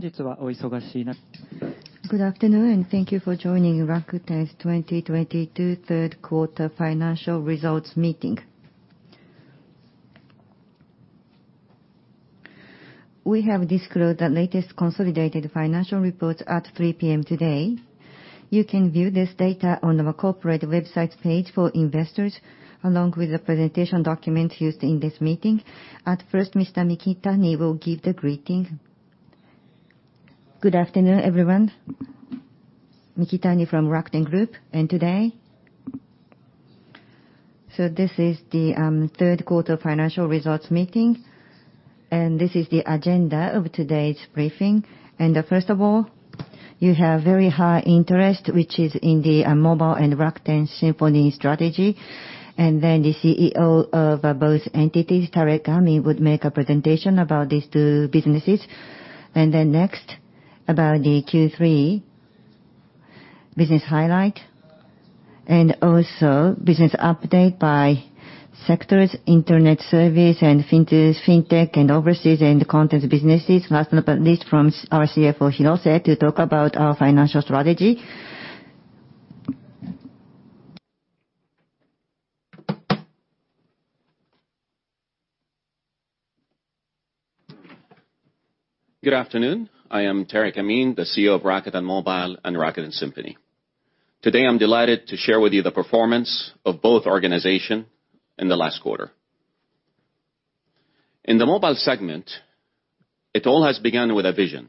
Good afternoon, thank you for joining Rakuten's 2022 third quarter financial results meeting. We have disclosed the latest consolidated financial reports at 3:00 P.M. today. You can view this data on our corporate website page for investors, along with the presentation document used in this meeting. At first, Mr. Mikitani will give the greeting. Good afternoon, everyone. Mikitani from Rakuten Group, and today this is the third quarter financial results meeting, and this is the agenda of today's briefing. First of all, you have very high interest, which is in the Mobile and Rakuten Symphony strategy. Then the CEO of both entities, Tareq Amin, would make a presentation about these two businesses. Then next about the Q3 business highlight and also business update by sectors, internet services and fintech and overseas and content businesses. Last but not least, from our CFO, Hirose, to talk about our financial strategy. Good afternoon. I am Tareq Amin, the CEO of Rakuten Mobile and Rakuten Symphony. Today, I'm delighted to share with you the performance of both organization in the last quarter. In the Mobile segment, it all has begun with a vision.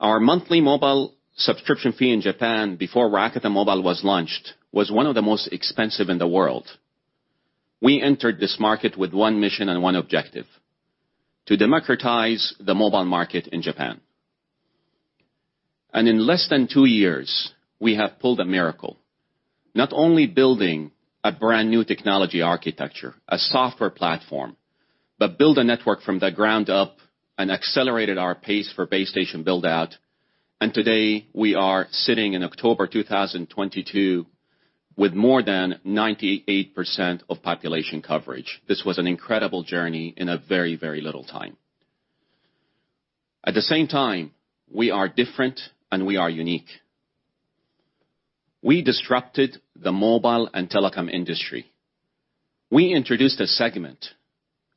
Our monthly mobile subscription fee in Japan before Rakuten Mobile was launched was one of the most expensive in the world. We entered this market with one mission and one objective, to democratize the mobile market in Japan. In less than two years, we have pulled a miracle. Not only building a brand-new technology architecture, a software platform, but build a network from the ground up and accelerated our pace for base station build-out. Today we are sitting in October 2022 with more than 98% population coverage. This was an incredible journey in a very, very little time. At the same time, we are different and we are unique. We disrupted the mobile and telecom industry. We introduced a segment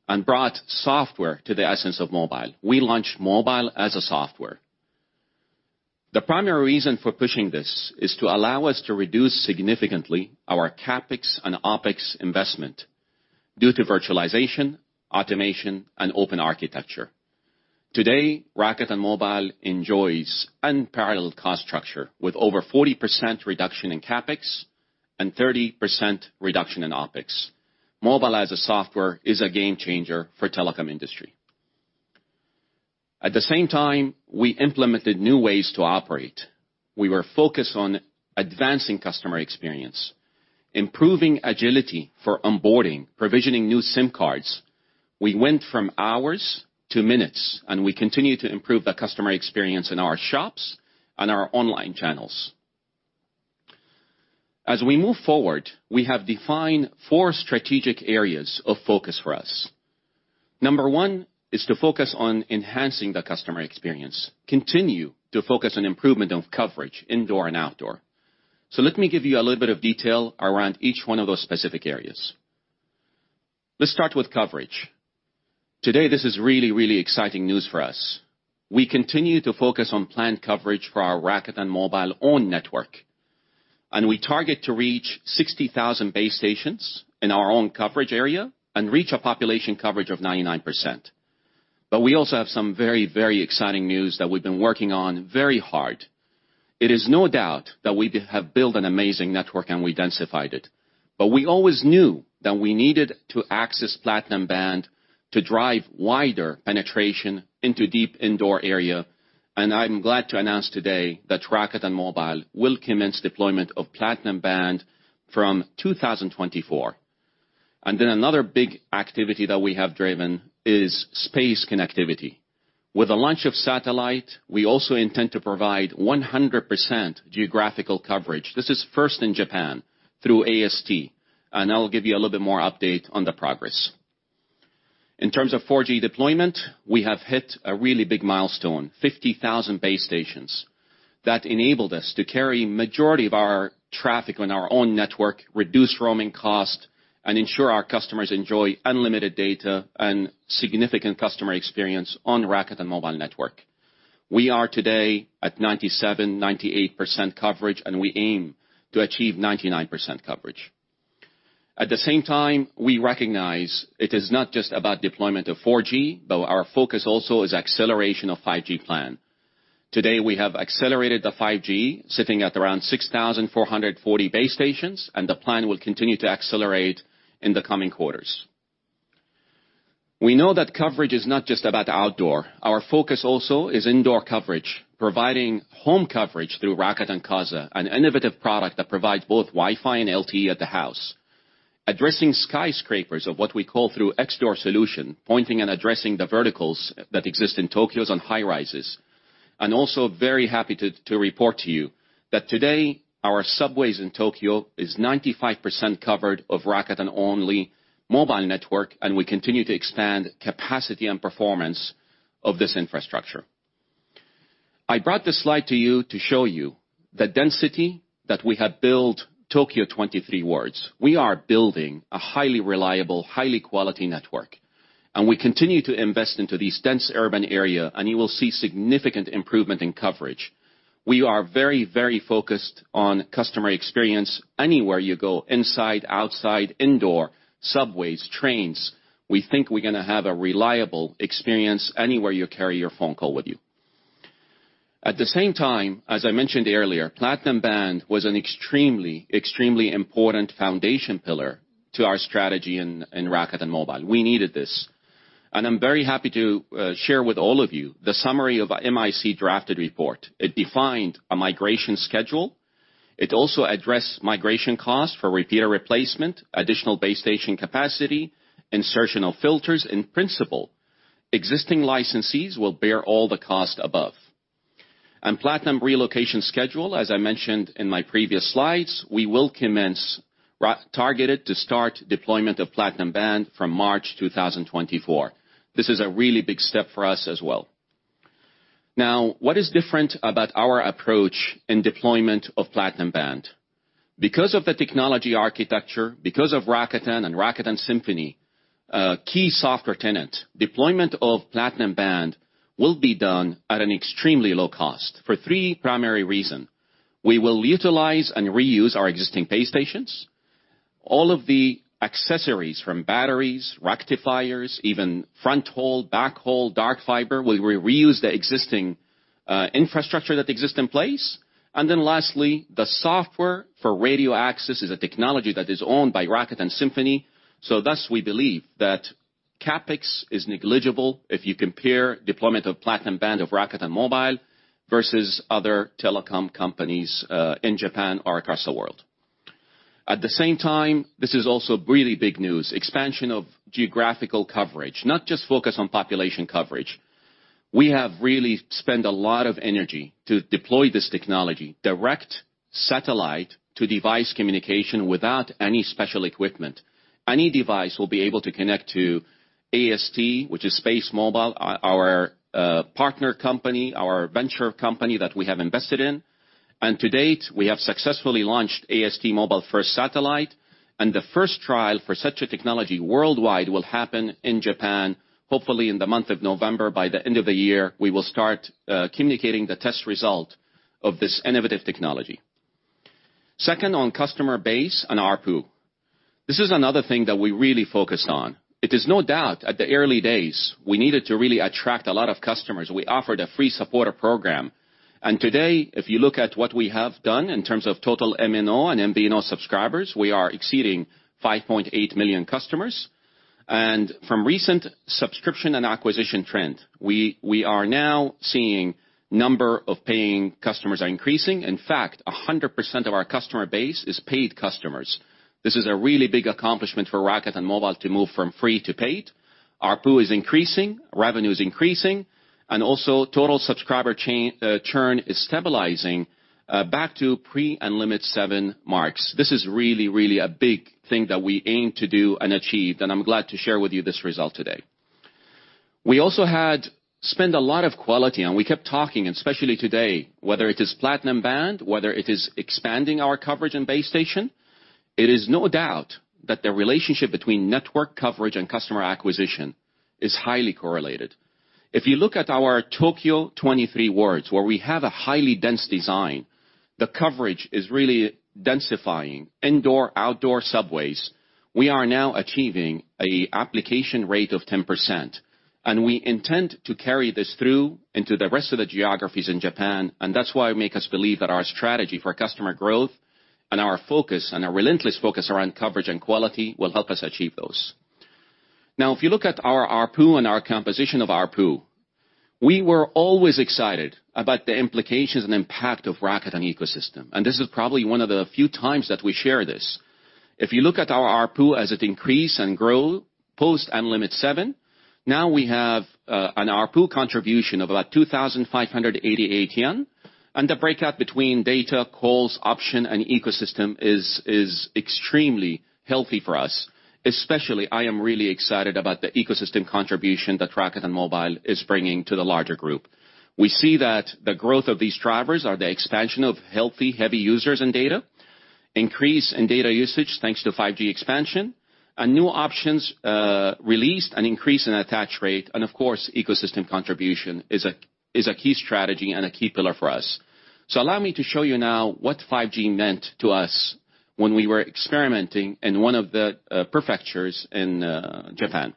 and brought software to the essence of mobile. We launched Mobile as a Software. The primary reason for pushing this is to allow us to reduce significantly our CapEx and OpEx investment due to virtualization, automation, and open architecture. Today, Rakuten Mobile enjoys unparalleled cost structure with over 40% reduction in CapEx and 30% reduction in OpEx. Mobile as a Software is a game changer for telecom industry. At the same time, we implemented new ways to operate. We were focused on advancing customer experience, improving agility for onboarding, provisioning new SIM cards. We went from hours to minutes, and we continue to improve the customer experience in our shops and our online channels. As we move forward, we have defined four strategic areas of focus for us. Number one is to focus on enhancing the customer experience, continue to focus on improvement of coverage indoor and outdoor. Let me give you a little bit of detail around each one of those specific areas. Let's start with coverage. Today, this is really, really exciting news for us. We continue to focus on plan coverage for our Rakuten Mobile own network, and we target to reach 60,000 base stations in our own coverage area and reach a population coverage of 99%. We also have some very, very exciting news that we've been working on very hard. There's no doubt that we have built an amazing network and we densified it. We always knew that we needed to access platinum band to drive wider penetration into deep indoor area. I'm glad to announce today that Rakuten Mobile will commence deployment of platinum band from 2024. Another big activity that we have driven is space connectivity. With the launch of satellite, we also intend to provide 100% geographical coverage. This is first in Japan through AST, and I'll give you a little bit more update on the progress. In terms of 4G deployment, we have hit a really big milestone, 50,000 base stations that enabled us to carry majority of our traffic on our own network, reduce roaming cost, and ensure our customers enjoy unlimited data and significant customer experience on Rakuten Mobile network. We are today at 97%-98% coverage, and we aim to achieve 99% coverage. At the same time, we recognize it is not just about deployment of 4G, but our focus also is acceleration of 5G plan. Today, we have accelerated the 5G sitting at around 6,440 base stations, and the plan will continue to accelerate in the coming quarters. We know that coverage is not just about outdoor. Our focus also is indoor coverage, providing home coverage through Rakuten Casa, an innovative product that provides both Wi-Fi and LTE at the house. Addressing skyscrapers or what we call through xDoor solution, pointing and addressing the verticals that exist in Tokyo's own high-rises. We are also very happy to report to you that today our subways in Tokyo is 95% covered by Rakuten-only mobile network, and we continue to expand capacity and performance of this infrastructure. I brought this slide to you to show you the density that we have built Tokyo 23 wards. We are building a highly reliable, high quality network, and we continue to invest into this dense urban area, and you will see significant improvement in coverage. We are very, very focused on customer experience anywhere you go, inside, outside, indoor, subways, trains. We think we're gonna have a reliable experience anywhere you carry your phone with you. At the same time, as I mentioned earlier, platinum band was an extremely important foundation pillar to our strategy in Rakuten Mobile. We needed this. I'm very happy to share with all of you the summary of a MIC drafted report. It defined a migration schedule. It also addressed migration costs for repeater replacement, additional base station capacity, insertion of filters. In principle, existing licensees will bear all the cost above. Platinum relocation schedule, as I mentioned in my previous slides, we will commence, targeted to start deployment of platinum band from March 2024. This is a really big step for us as well. Now, what is different about our approach in deployment of platinum band? Because of the technology architecture, because of Rakuten and Rakuten Symphony, key software tenet, deployment of platinum band will be done at an extremely low cost for three primary reason. We will utilize and reuse our existing base stations. All of the accessories from batteries, rectifiers, even fronthaul, backhaul, dark fiber, we reuse the existing infrastructure that exists in place. Lastly, the software for radio access is a technology that is owned by Rakuten Symphony. Thus, we believe that CapEx is negligible if you compare deployment of platinum band of Rakuten Mobile versus other telecom companies in Japan or across the world. At the same time, this is also really big news. Expansion of geographical coverage, not just focus on population coverage. We have really spent a lot of energy to deploy this technology, direct satellite to device communication without any special equipment. Any device will be able to connect to AST SpaceMobile, our partner company, our venture company that we have invested in. To date, we have successfully launched AST SpaceMobile first satellite, and the first trial for such a technology worldwide will happen in Japan, hopefully in the month of November. By the end of the year, we will start communicating the test result of this innovative technology. Second, on customer base and ARPU. This is another thing that we really focused on. It is no doubt at the early days, we needed to really attract a lot of customers. We offered a free supporter program. Today, if you look at what we have done in terms of total MNO and MVNO subscribers, we are exceeding 5.8 million customers. From recent subscription and acquisition trend, we are now seeing number of paying customers are increasing. In fact, 100% of our customer base is paid customers. This is a really big accomplishment for Rakuten Mobile to move from free to paid. ARPU is increasing, revenue is increasing, and also total subscriber churn is stabilizing back to pre-UN-LIMIT VII marks. This is really, really a big thing that we aim to do and achieved, and I'm glad to share with you this result today. We also had spent a lot of quality, and we kept talking, and especially today, whether it is platinum band, whether it is expanding our coverage and base station, it is no doubt that the relationship between network coverage and customer acquisition is highly correlated. If you look at our Tokyo 23 wards, where we have a highly dense design, the coverage is really densifying indoor, outdoor subways. We are now achieving a application rate of 10%, and we intend to carry this through into the rest of the geographies in Japan, and that's why it make us believe that our strategy for customer growth and our focus and our relentless focus around coverage and quality will help us achieve those. Now, if you look at our ARPU and our composition of ARPU, we were always excited about the implications and impact of Rakuten ecosystem, and this is probably one of the few times that we share this. If you look at our ARPU as it increase and grow post-UN-LIMIT VII, now we have an ARPU contribution of about 2,588 yen, and the breakout between data, calls, option, and ecosystem is extremely healthy for us. Especially, I am really excited about the ecosystem contribution that Rakuten Mobile is bringing to the larger group. We see that the growth of these drivers are the expansion of healthy heavy users and data, increase in data usage, thanks to 5G expansion, and new options released, an increase in attach rate, and of course, ecosystem contribution is a key strategy and a key pillar for us. Allow me to show you now what 5G meant to us when we were experimenting in one of the prefectures in Japan.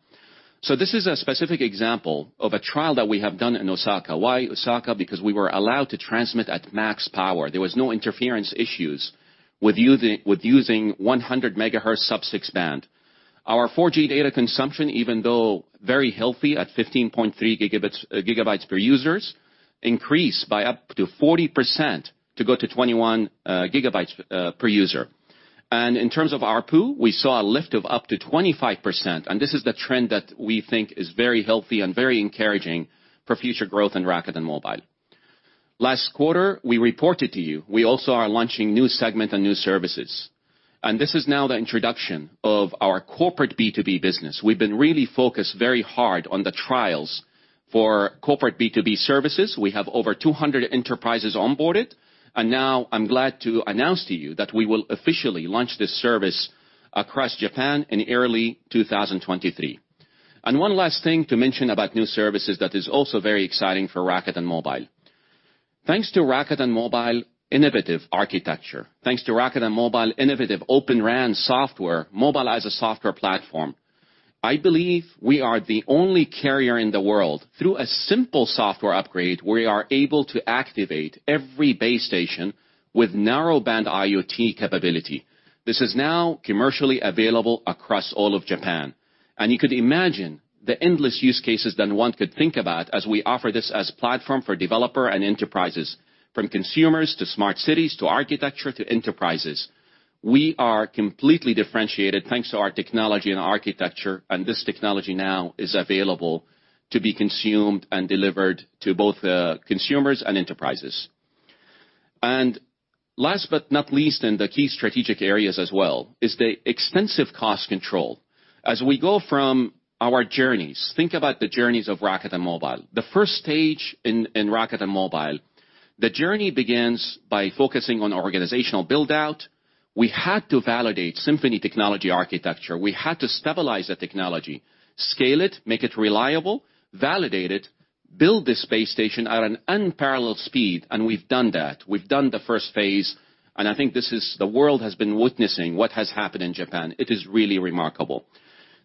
This is a specific example of a trial that we have done in Osaka. Why Osaka? Because we were allowed to transmit at max power. There was no interference issues with using 100 MHz sub-6 band. Our 4G data consumption, even though very healthy at 15.3 GB per user, increased by up to 40% to go to 21 GB per user. In terms of ARPU, we saw a lift of up to 25%, and this is the trend that we think is very healthy and very encouraging for future growth in Rakuten Mobile. Last quarter, we reported to you, we also are launching new segment and new services, and this is now the introduction of our corporate B2B business. We've been really focused very hard on the trials for corporate B2B services. We have over 200 enterprises onboarded. Now I'm glad to announce to you that we will officially launch this service across Japan in early 2023. One last thing to mention about new services that is also very exciting for Rakuten Mobile. Thanks to Rakuten Mobile innovative architecture, thanks to Rakuten Mobile innovative Open RAN software, Mobile as a Software platform, I believe we are the only carrier in the world, through a simple software upgrade, we are able to activate every base station with Narrowband IoT capability. This is now commercially available across all of Japan. You could imagine the endless use cases that one could think about as we offer this as platform for developer and enterprises, from consumers to smart cities to architecture to enterprises. We are completely differentiated thanks to our technology and architecture, and this technology now is available to be consumed and delivered to both, consumers and enterprises. Last but not least, in the key strategic areas as well, is the extensive cost control. As we go from our journeys, think about the journeys of Rakuten Mobile. The first stage in Rakuten Mobile, the journey begins by focusing on organizational build-out. We had to validate Symphony technology architecture. We had to stabilize the technology, scale it, make it reliable, validate it, build this base station at an unparalleled speed, and we've done that. We've done the first phase, and I think the world has been witnessing what has happened in Japan. It is really remarkable.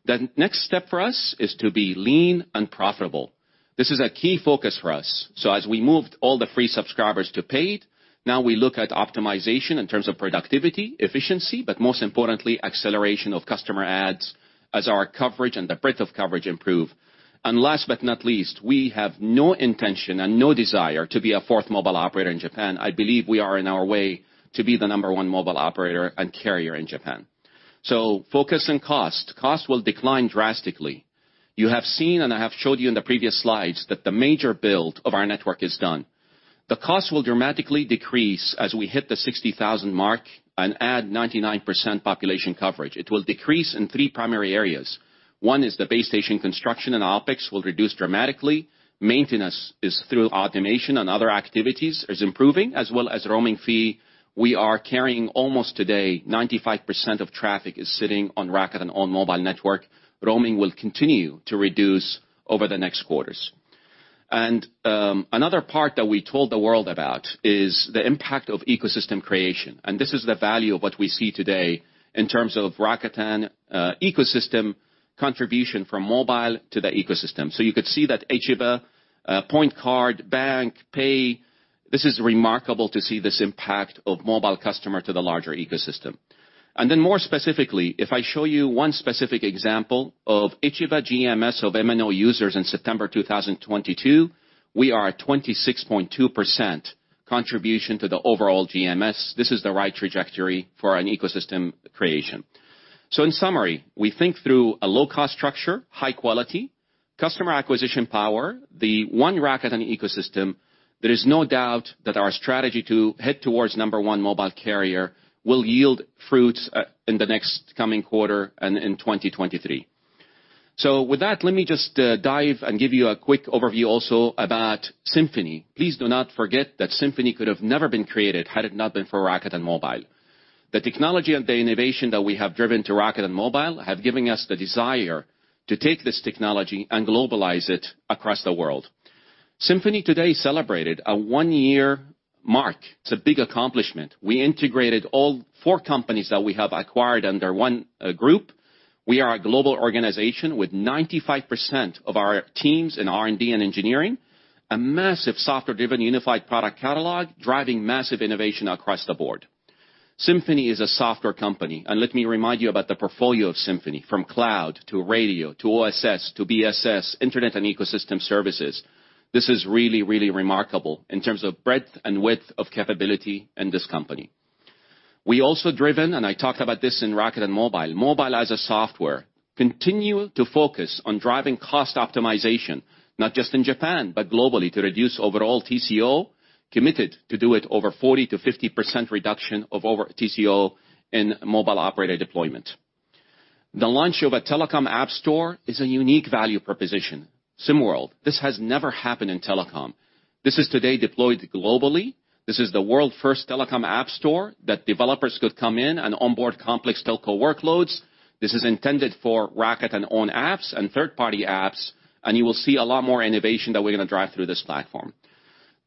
The next step for us is to be lean and profitable. This is a key focus for us. As we moved all the free subscribers to paid, now we look at optimization in terms of productivity, efficiency, but most importantly, acceleration of customer adds as our coverage and the breadth of coverage improve. Last but not least, we have no intention and no desire to be a fourth mobile operator in Japan. I believe we are on our way to be the number one mobile operator and carrier in Japan. Focus on cost. Cost will decline drastically. You have seen, and I have showed you in the previous slides, that the major build of our network is done. The cost will dramatically decrease as we hit the 60,000 mark and add 99% population coverage. It will decrease in three primary areas. One is the base station construction and OpEx will reduce dramatically. Maintenance through automation and other activities is improving, as well as roaming fee. We are carrying almost today 95% of traffic is sitting on Rakuten's own mobile network. Roaming will continue to reduce over the next quarters. Another part that we told the world about is the impact of ecosystem creation. This is the value of what we see today in terms of Rakuten ecosystem contribution from mobile to the ecosystem. You could see that Ichiba, Point Card, Bank, Pay. This is remarkable to see this impact of mobile customer to the larger ecosystem. More specifically, if I show you one specific example of Ichiba GMS of MNO users in September 2022, we are at 26.2% contribution to the overall GMS. This is the right trajectory for an ecosystem creation. In summary, we think through a low-cost structure, high quality, customer acquisition power, the one Rakuten ecosystem, there is no doubt that our strategy to head towards number one mobile carrier will yield fruits in the next coming quarter and in 2023. With that, let me just dive and give you a quick overview also about Symphony. Please do not forget that Symphony could have never been created had it not been for Rakuten Mobile. The technology and the innovation that we have driven to Rakuten Mobile have given us the desire to take this technology and globalize it across the world. Symphony today celebrated a one-year mark. It's a big accomplishment. We integrated all four companies that we have acquired under one group. We are a global organization with 95% of our teams in R&D and engineering, a massive software-driven unified product catalog driving massive innovation across the board. Rakuten Symphony is a software company, and let me remind you about the portfolio of Rakuten Symphony, from cloud to radio to OSS to BSS, internet and ecosystem services. This is really, really remarkable in terms of breadth and width of capability in this company. We also driven, and I talked about this in Rakuten Mobile as a Software, continue to focus on driving cost optimization, not just in Japan, but globally, to reduce overall TCO, committed to do it over 40%-50% reduction of over TCO in mobile operator deployment. The launch of a telecom app store is a unique value proposition. Symworld. This has never happened in telecom. This is today deployed globally. This is the world's first telecom app store that developers could come in and onboard complex telco workloads. This is intended for Rakuten on apps and third-party apps, and you will see a lot more innovation that we're gonna drive through this platform.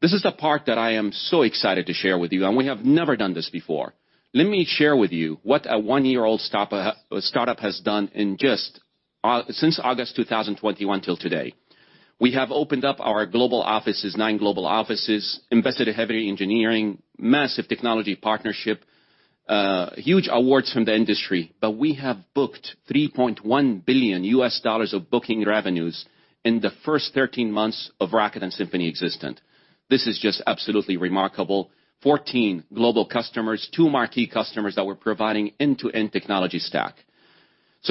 This is the part that I am so excited to share with you, and we have never done this before. Let me share with you what a one-year-old startup has done in just since August 2021 till today. We have opened up our global offices, nine global offices, invested heavily in engineering, massive technology partnership, huge awards from the industry, but we have booked $3.1 billion of booking revenues in the first 13 months of Rakuten Symphony existence. This is just absolutely remarkable. 14 global customers, two marquee customers that we're providing end-to-end technology stack.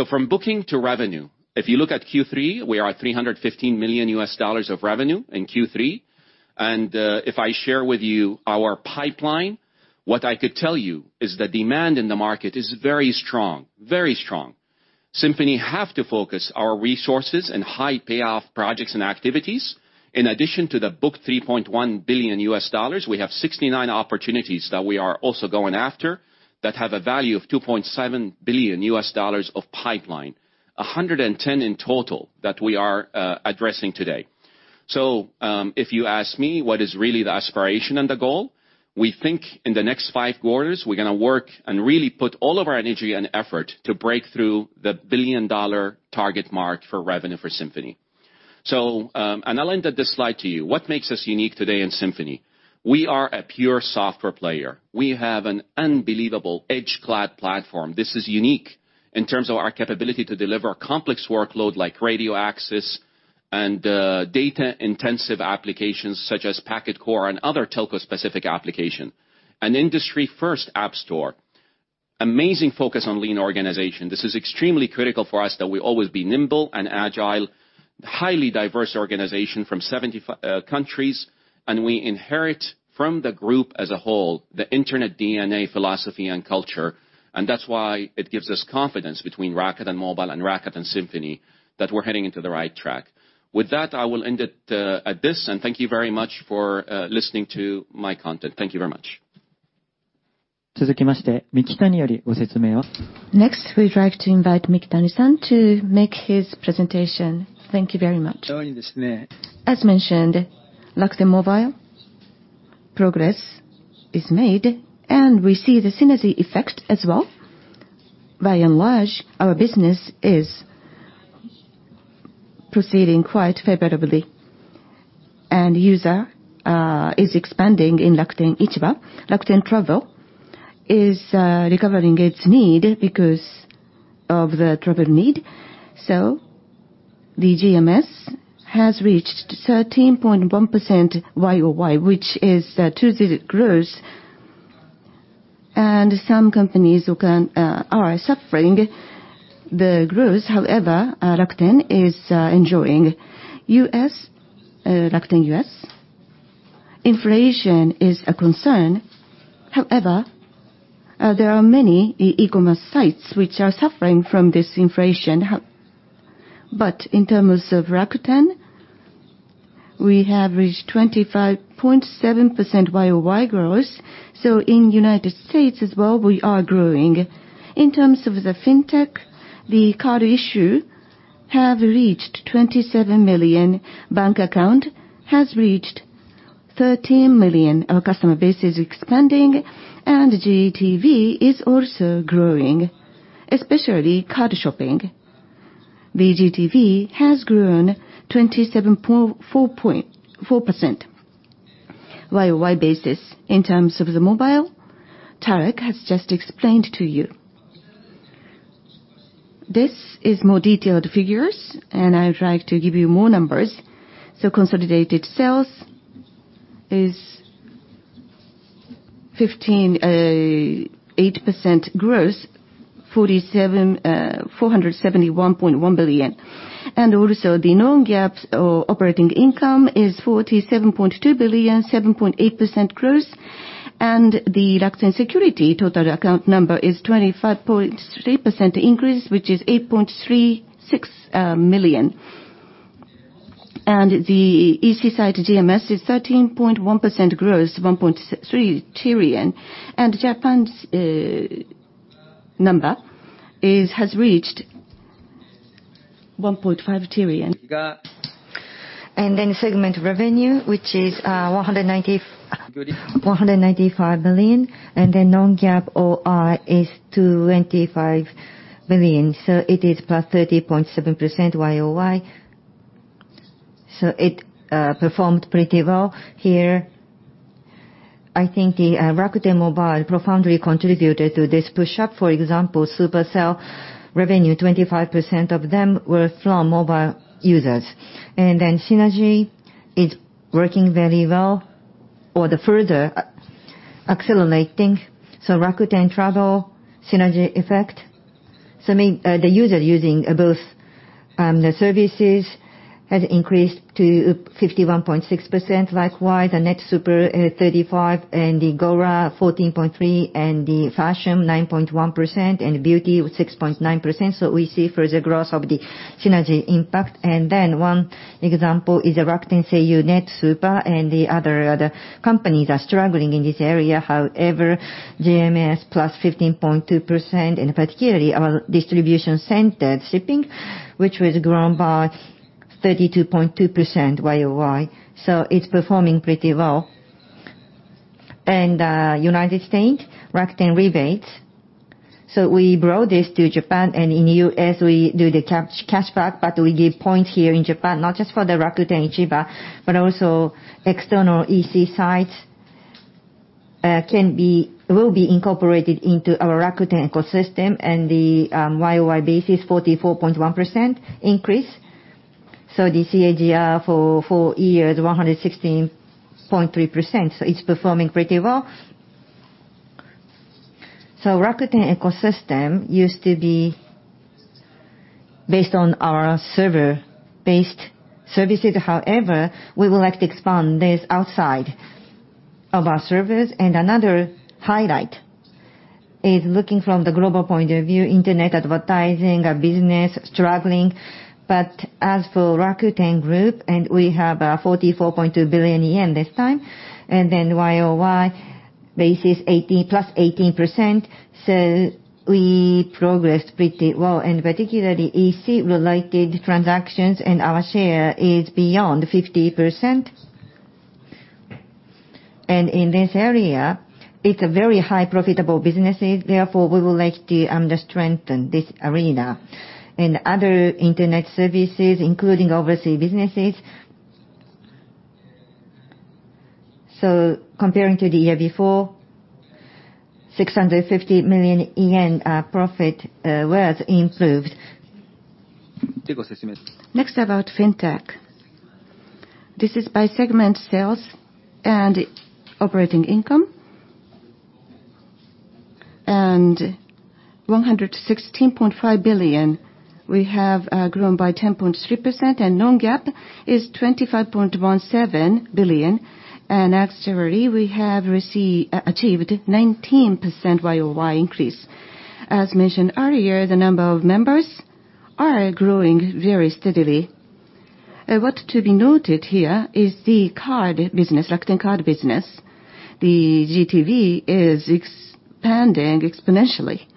From booking to revenue, if you look at Q3, we are at $315 million of revenue in Q3. If I share with you our pipeline, what I could tell you is the demand in the market is very strong, very strong. Symphony have to focus our resources in high-payoff projects and activities. In addition to the booked $3.1 billion, we have 69 opportunities that we are also going after that have a value of $2.7 billion of pipeline. 110 in total that we are addressing today. If you ask me what is really the aspiration and the goal, we think in the next five quarters we're gonna work and really put all of our energy and effort to break through the billion-dollar target mark for revenue for Symphony. I'll end at this slide to you. What makes us unique today in Symphony? We are a pure software player. We have an unbelievable edge cloud platform. This is unique in terms of our capability to deliver complex workload like radio access and data-intensive applications such as Packet Core and other telco-specific application. An industry-first app store. Amazing focus on lean organization. This is extremely critical for us that we always be nimble and agile. Highly diverse organization from 75 countries, and we inherit from the group as a whole the internet DNA philosophy and culture, and that's why it gives us confidence between Rakuten Mobile and Rakuten Symphony, that we're heading into the right track. With that, I will end it at this, and thank you very much for listening to my content. Thank you very much. Next, we'd like to invite Mikitani-san to make his presentation. Thank you very much. As mentioned, Rakuten Mobile progress is made, and we see the synergy effect as well. By and large, our business is proceeding quite favorably. User is expanding in Rakuten Ichiba. Rakuten Travel is recovering its revenue because of the travel demand. The GMS has reached 13.1% YoY, which is a two-digit growth. Some companies are suffering low growth, however, Rakuten is enjoying. In the U.S., Rakuten USA, inflation is a concern. However, there are many e-commerce sites which are suffering from this inflation. In terms of Rakuten, we have reached 25.7% YoY growth. In the United States as well, we are growing. In terms of the fintech, the card issuance has reached 27 million. Bank account has reached 13 million. Our customer base is expanding, and GTV is also growing, especially card shopping. The GTV has grown 27.4% YoY basis. In terms of the mobile, Tareq has just explained to you. This is more detailed figures, and I would like to give you more numbers. Consolidated sales is 15.8% growth, 471.1 billion. The non-GAAP operating income is 47.2 billion, 7.8% growth. The Rakuten Securities total account number is 25.3% increase, which is 8.36 million. The EC site GMS is 13.1% growth, 1.3 trillion. Japan's number has reached 1.5 trillion. Segment revenue, which is 195 billion. Non-GAAP OR is 25 billion, so it is +30.7% YoY. So it performed pretty well here. I think the Rakuten Mobile profoundly contributed to this push-up. For example, Super Sale revenue, 25% of them were from mobile users. Synergy is working very well, and the further accelerating. Rakuten Travel synergy effect. So the user using both the services has increased to 51.6%. Likewise, the Net Super 35%, and the GORA 14.3%, and the Fashion 9.1%, and Beauty 6.9%. So we see further growth of the synergy impact. One example is Rakuten Seiyu Net Super, and the other companies are struggling in this area. However, GMS +15.2%, and particularly our distribution center shipping, which was grown by 32.2% YoY, so it's performing pretty well. United States, Rakuten Rebates. We brought this to Japan, and in U.S. we do the cash back, but we give points here in Japan, not just for the Rakuten Ichiba, but also external EC sites will be incorporated into our Rakuten ecosystem. The YoY base is 44.1% increase. The CAGR for four years, 116.3%. It's performing pretty well. Rakuten ecosystem used to be based on our server-based services. However, we would like to expand this outside of our servers. Another highlight is looking from the global point of view, internet advertising, our business struggling. As for Rakuten Group, we have 44.2 billion yen this time, and then YoY basis +18%. We progressed pretty well, particularly EC-related transactions, and our share is beyond 50%. In this area, it's a very high profitable businesses, therefore, we would like to just strengthen this arena. In other internet services, including overseas businesses. Comparing to the year before, 650 million yen profit was improved. Next, about fintech. This is by segment, sales and operating income. 116.5 billion, we have grown by 10.3%, and non-GAAP is 25.17 billion. Actually, we have achieved 19% YoY increase. As mentioned earlier, the number of members are growing very steadily. What to be noted here is the card business, Rakuten Card business. The GTV is expanding exponentially.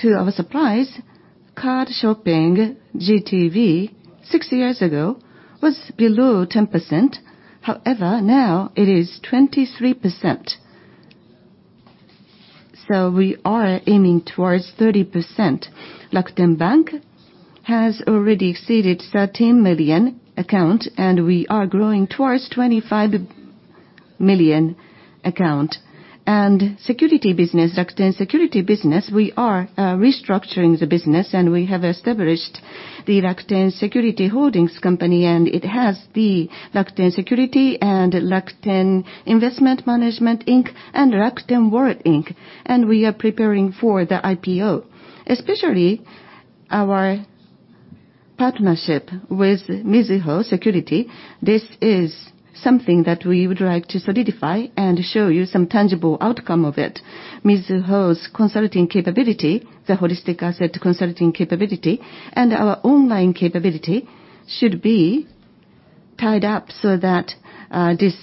To our surprise, card shopping GTV six years ago was below 10%. However, now it is 23%. We are aiming towards 30%. Rakuten Bank has already exceeded 13 million accounts, and we are growing towards 25 million accounts. Securities business. Rakuten Securities business, we are restructuring the business, and we have established the Rakuten Securities Holdings company, and it has the Rakuten Securities and Rakuten Investment Management, Inc and Rakuten Wallet, Inc. We are preparing for the IPO. Especially our partnership with Mizuho Securities, this is something that we would like to solidify and show you some tangible outcome of it. Mizuho's consulting capability, the holistic asset consulting capability, and our online capability should be tied up so that this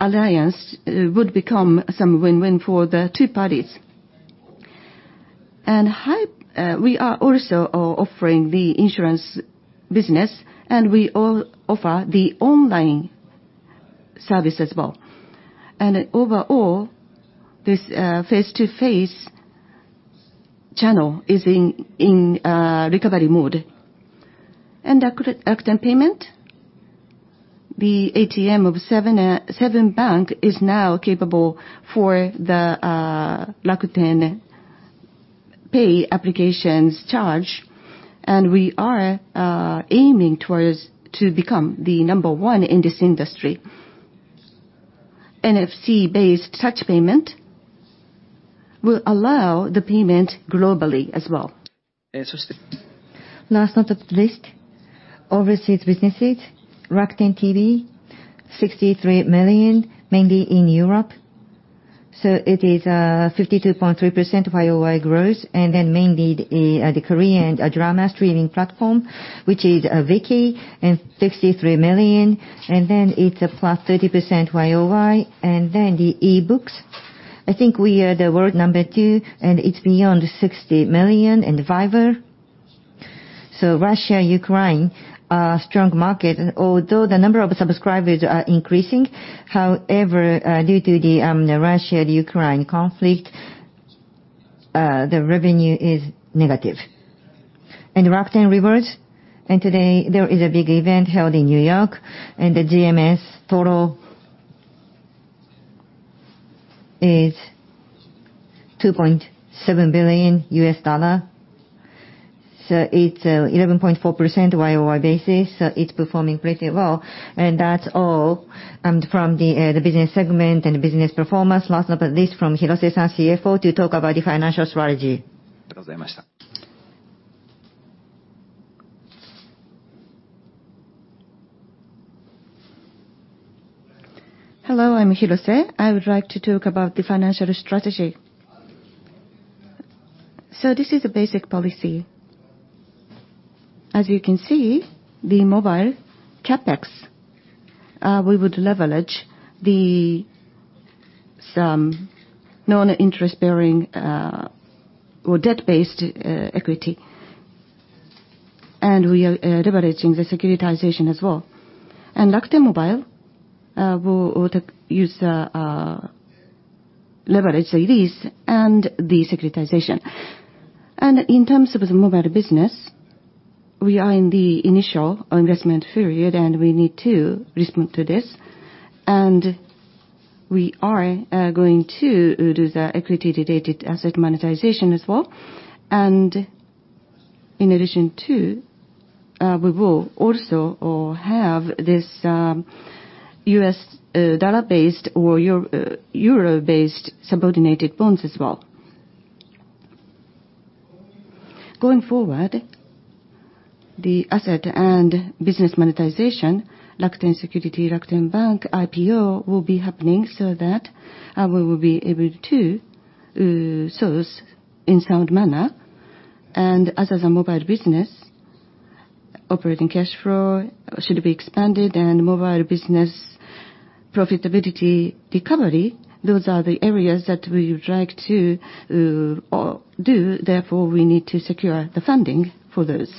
alliance would become a win-win for the two parties. We are also offering the insurance business, and we offer the online service as well. Overall, this face-to-face channel is in recovery mode. Rakuten Pay, the ATM of Seven Bank is now capable for the Rakuten Pay applications charge, and we are aiming towards to become the number one in this industry. NFC-based touch payment will allow the payment globally as well. Last but not least, overseas businesses. Rakuten TV, 63 million, mainly in Europe. It is 52.3% YoY growth, and then mainly the Korean drama streaming platform, which is Viki, and 63 million, and then it's +30% YoY. The e-books, I think we are the world number two, and it's beyond 60 million. Viber. Russia, Ukraine are strong market. Although the number of subscribers are increasing, however, due to the Russia-Ukraine conflict, the revenue is negative. Rakuten Rewards, and today there is a big event held in New York, and the GMS total is $2.7 billion. It's 11.4% YoY basis, so it's performing pretty well. That's all from the business segment and business performance. Last but not least, from Hirose-san, CFO, to talk about the financial strategy. Hello, I'm Hirose. I would like to talk about the financial strategy. This is the basic policy. As you can see, the mobile CapEx, we would leverage some non-interest bearing or debt-based equity. We are leveraging the securitization as well. Rakuten Mobile will also leverage the lease and the securitization. In terms of the mobile business, we are in the initial investment period, and we need to respond to this. We are going to do the equity-related asset monetization as well. In addition, we will also have this U.S. dollar-based or euro-based subordinated bonds as well. Going forward, the asset and business monetization, Rakuten Securities, Rakuten Bank IPO will be happening so that we will be able to source in sound manner. As a mobile business, operating cash flow should be expanded, and mobile business profitability recovery, those are the areas that we would like to do, therefore, we need to secure the funding for those.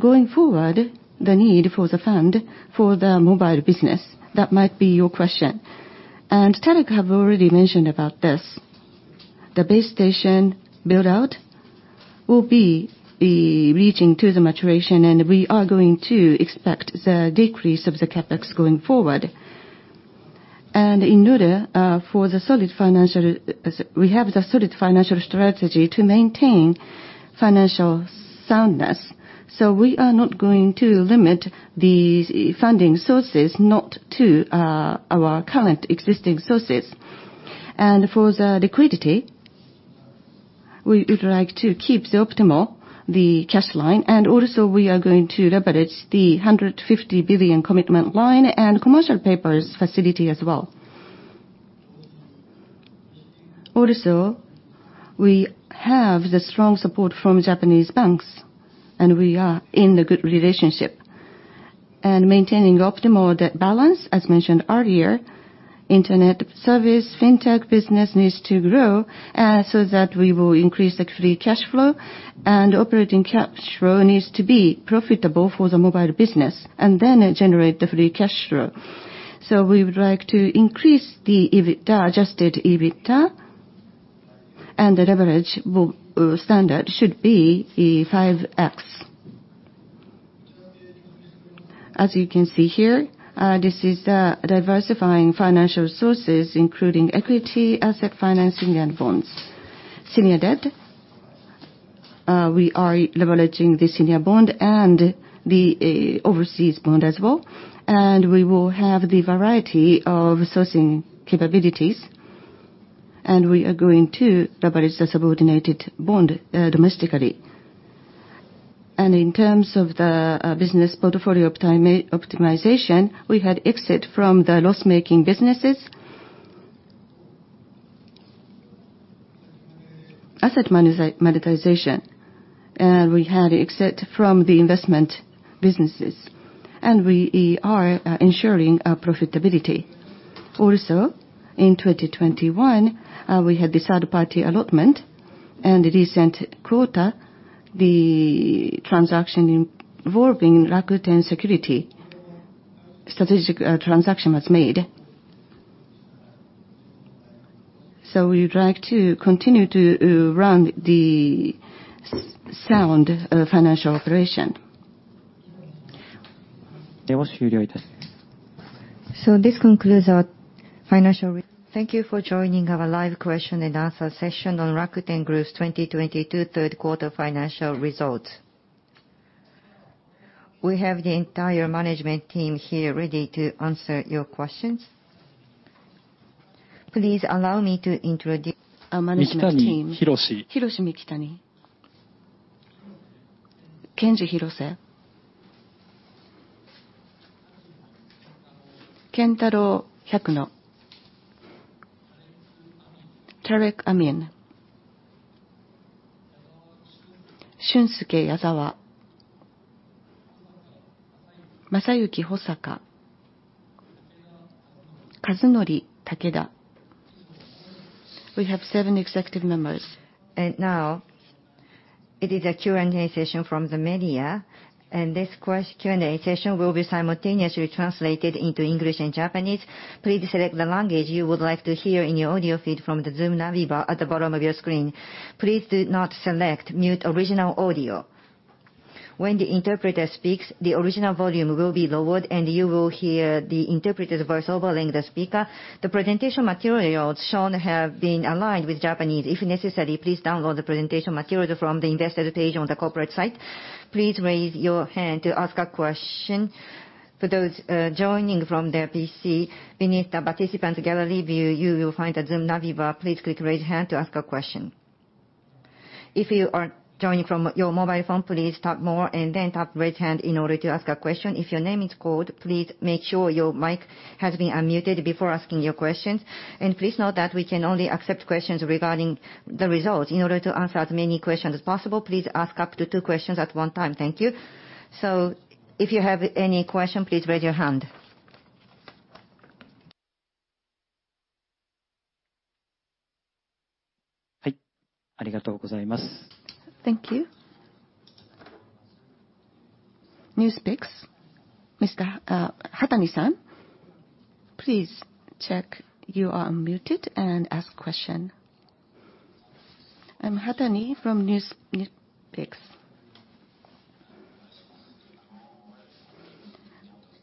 Going forward, the need for the fund for the mobile business, that might be your question. Tareq have already mentioned about this. The base station build-out will be reaching to the maturation, and we are going to expect the decrease of the CapEx going forward. In order for the solid financial. We have the solid financial strategy to maintain financial soundness. We are not going to limit these funding sources, not to our current existing sources. For the liquidity, we would like to keep the optimal cash line. Also, we are going to leverage the 150 billion commitment line and commercial papers facility as well. Also, we have the strong support from Japanese banks, and we are in a good relationship. Maintaining optimal debt balance, as mentioned earlier, internet service, fintech business needs to grow, so that we will increase the free cash flow. Operating cash flow needs to be profitable for the mobile business, and then generate the free cash flow. We would like to increase the EBITDA, adjusted EBITDA, and the leverage will, standard should be 5x. As you can see here, this is the diversifying financial sources, including equity, asset financing, and bonds. Senior debt, we are leveraging the senior bond and the, overseas bond as well. We will have the variety of sourcing capabilities, and we are going to leverage the subordinated bond, domestically. In terms of the, business portfolio optimization, we had exit from the loss-making businesses. Asset monetization, we had exit from the investment businesses, and we are ensuring our profitability. Also, in 2021, we had the third party allotment and recent quarter, the transaction involving Rakuten Securities, strategic transaction was made. We would like to continue to run the sound financial operation. This concludes our financial. Thank you for joining our live question- and-answer session on Rakuten Group's 2022 third quarter financial results. We have the entire management team here ready to answer your questions. Please allow me to introduce our management team. Hiroshi Mikitani. Kenji Hirose. Kentaro Hyakuno. Tareq Amin. Shunsuke Yazawa. Masayuki Hosaka. Kazunori Takeda. We have seven executive members. Now it is a Q&A session from the media, and this Q&A session will be simultaneously translated into English and Japanese. Please select the language you would like to hear in your audio feed from the Zoom navbar at the bottom of your screen. Please do not select Mute Original Audio. When the interpreter speaks, the original volume will be lowered, and you will hear the interpreter's voice overlaying the speaker. The presentation materials shown have been aligned with Japanese. If necessary, please download the presentation materials from the Investor page on the corporate site. Please raise your hand to ask a question. For those joining from their PC, beneath the participant gallery view, you will find a Zoom navbar. Please click Raise Hand to ask a question. If you are joining from your mobile phone, please tap More and then tap Raise Hand in order to ask a question. If your name is called, please make sure your mic has been unmuted before asking your question. Please note that we can only accept questions regarding the results. In order to answer as many questions as possible, please ask up to two questions at one time. Thank you. If you have any question, please raise your hand. Thank you. NewsPicks, Mr. Hatani-san, please check you are unmuted and ask question. I'm Hatani from NewsPicks.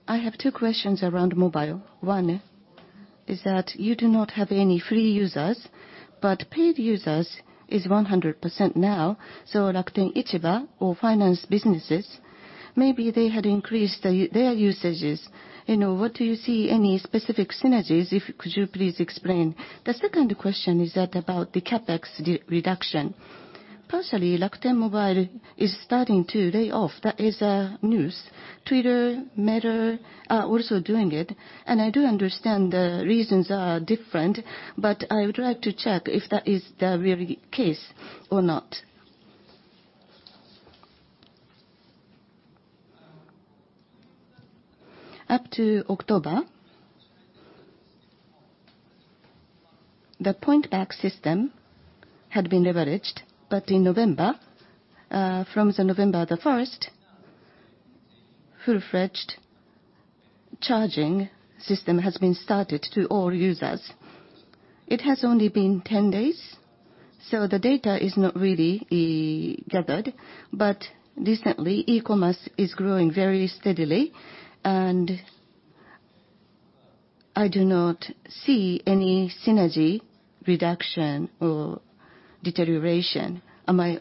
I have two questions around mobile. One is that you do not have any free users, but paid users is 100% now. Rakuten Ichiba or finance businesses, maybe they had increased their usages. You know, what do you see any specific synergies, if could you please explain? The second question is about the CapEx reduction. Personally, Rakuten Mobile is starting to lay off. That is news. Twitter, Meta are also doing it, and I do understand the reasons are different, but I would like to check if that is the real case or not. Up to October, the point back system had been leveraged, but in November, from November 1, full-fledged charging system has been started to all users. It has only been 10 days, so the data is not really gathered. Recently, e-commerce is growing very steadily, and I do not see any synergy reduction or deterioration. Am I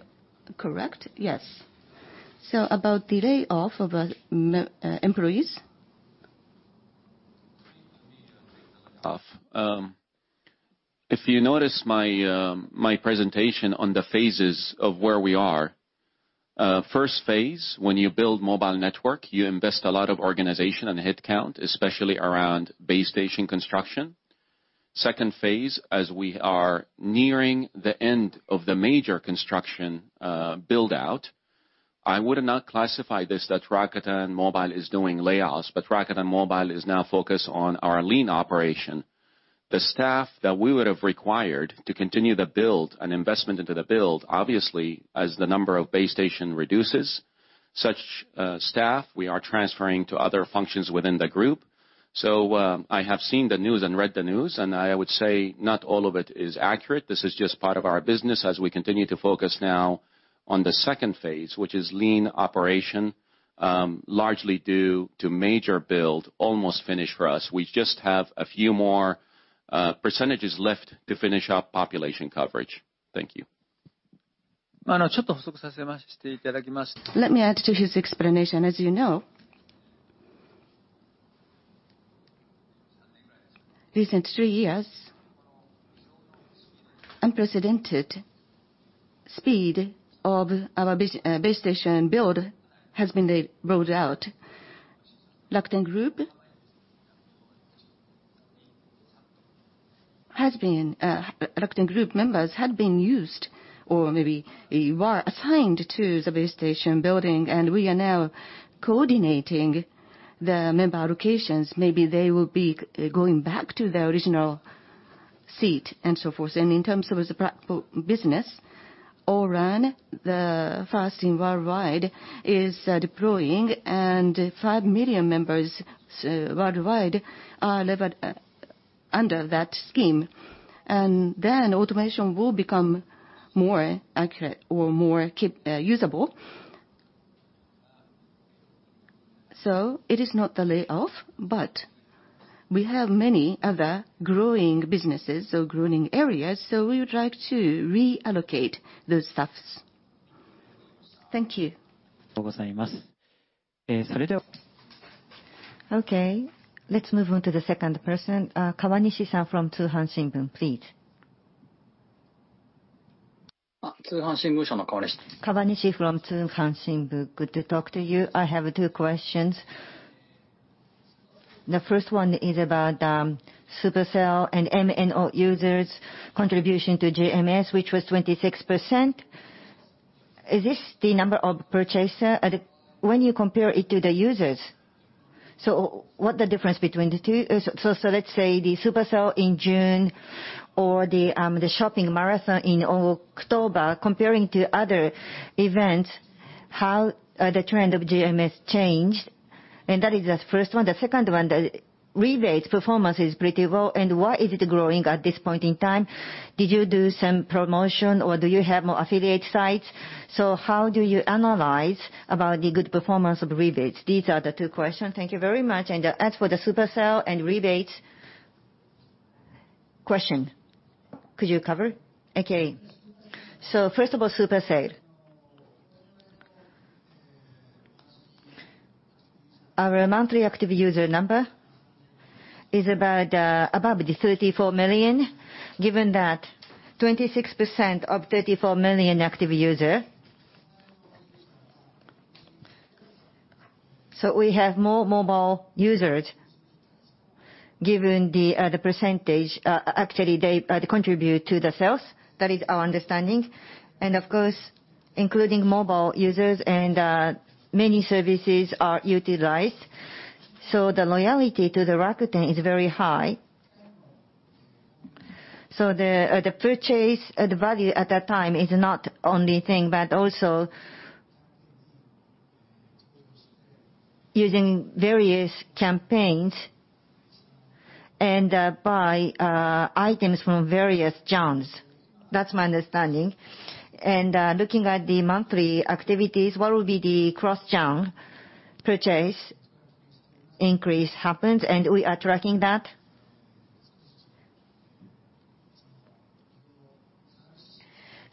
correct? Yes. About the layoff of employees. If you notice my presentation on the phases of where we are, first phase, when you build mobile network, you invest a lot of organization and head count, especially around base station construction. Second phase, as we are nearing the end of the major construction build-out, I would not classify this that Rakuten Mobile is doing layoffs, but Rakuten Mobile is now focused on our lean operation. The staff that we would have required to continue the build and investment into the build, obviously, as the number of base station reduces, such staff we are transferring to other functions within the group. I have seen the news and read the news, and I would say not all of it is accurate. This is just part of our business as we continue to focus now on the second phase, which is lean operation, largely due to major build almost finished for us. We just have a few more percentages left to finish up population coverage. Thank you. Let me add to his explanation. As you know, recent three years, unprecedented speed of our base station build has been laid, rolled out. Rakuten Group has been, Rakuten Group members had been used or maybe were assigned to the base station building, and we are now coordinating the member allocations. Maybe they will be going back to their original seat and so forth. In terms of as a practical business, O-RAN, the first worldwide, is deploying and 5 million members worldwide are under that scheme. Then automation will become more accurate or more key, usable. It is not the layoff, but we have many other growing businesses or growing areas, so we would like to reallocate those staffs. Thank you. Okay, let's move on to the second person. Kawanishi-san from Tsuhan Shinbun, please. Kawanishi from Tsuhan Shinbun. Good to talk to you. I have two questions. The first one is about Super Sale and MNO users contribution to GMS, which was 26%. Is this the number of purchasers? When you compare it to the users, what the difference between the two is? Let's say the Super Sale in June or the shopping marathon in October, comparing to other events, how the trend of GMS changed? That is the first one. The second one, the Rebates performance is pretty well, and why is it growing at this point in time? Did you do some promotion or do you have more affiliate sites? How do you analyze about the good performance of Rebates? These are the two questions. Thank you very much. As for the Super Sale and Rebates question, could you cover, Kentaro Hyakuno? First of all, Super Sale. Our monthly active user number is about above the 34 million, given that 26% of 34 million active user. We have more mobile users, given the percentage, actually they contribute to the sales. That is our understanding. Of course, including mobile users and many services are utilized. The loyalty to the Rakuten is very high. The purchase, the value at that time is not only thing, but also using various campaigns and buy items from various genres. That's my understanding. Looking at the monthly activities, what will be the cross-genre purchase increase happens, and we are tracking that.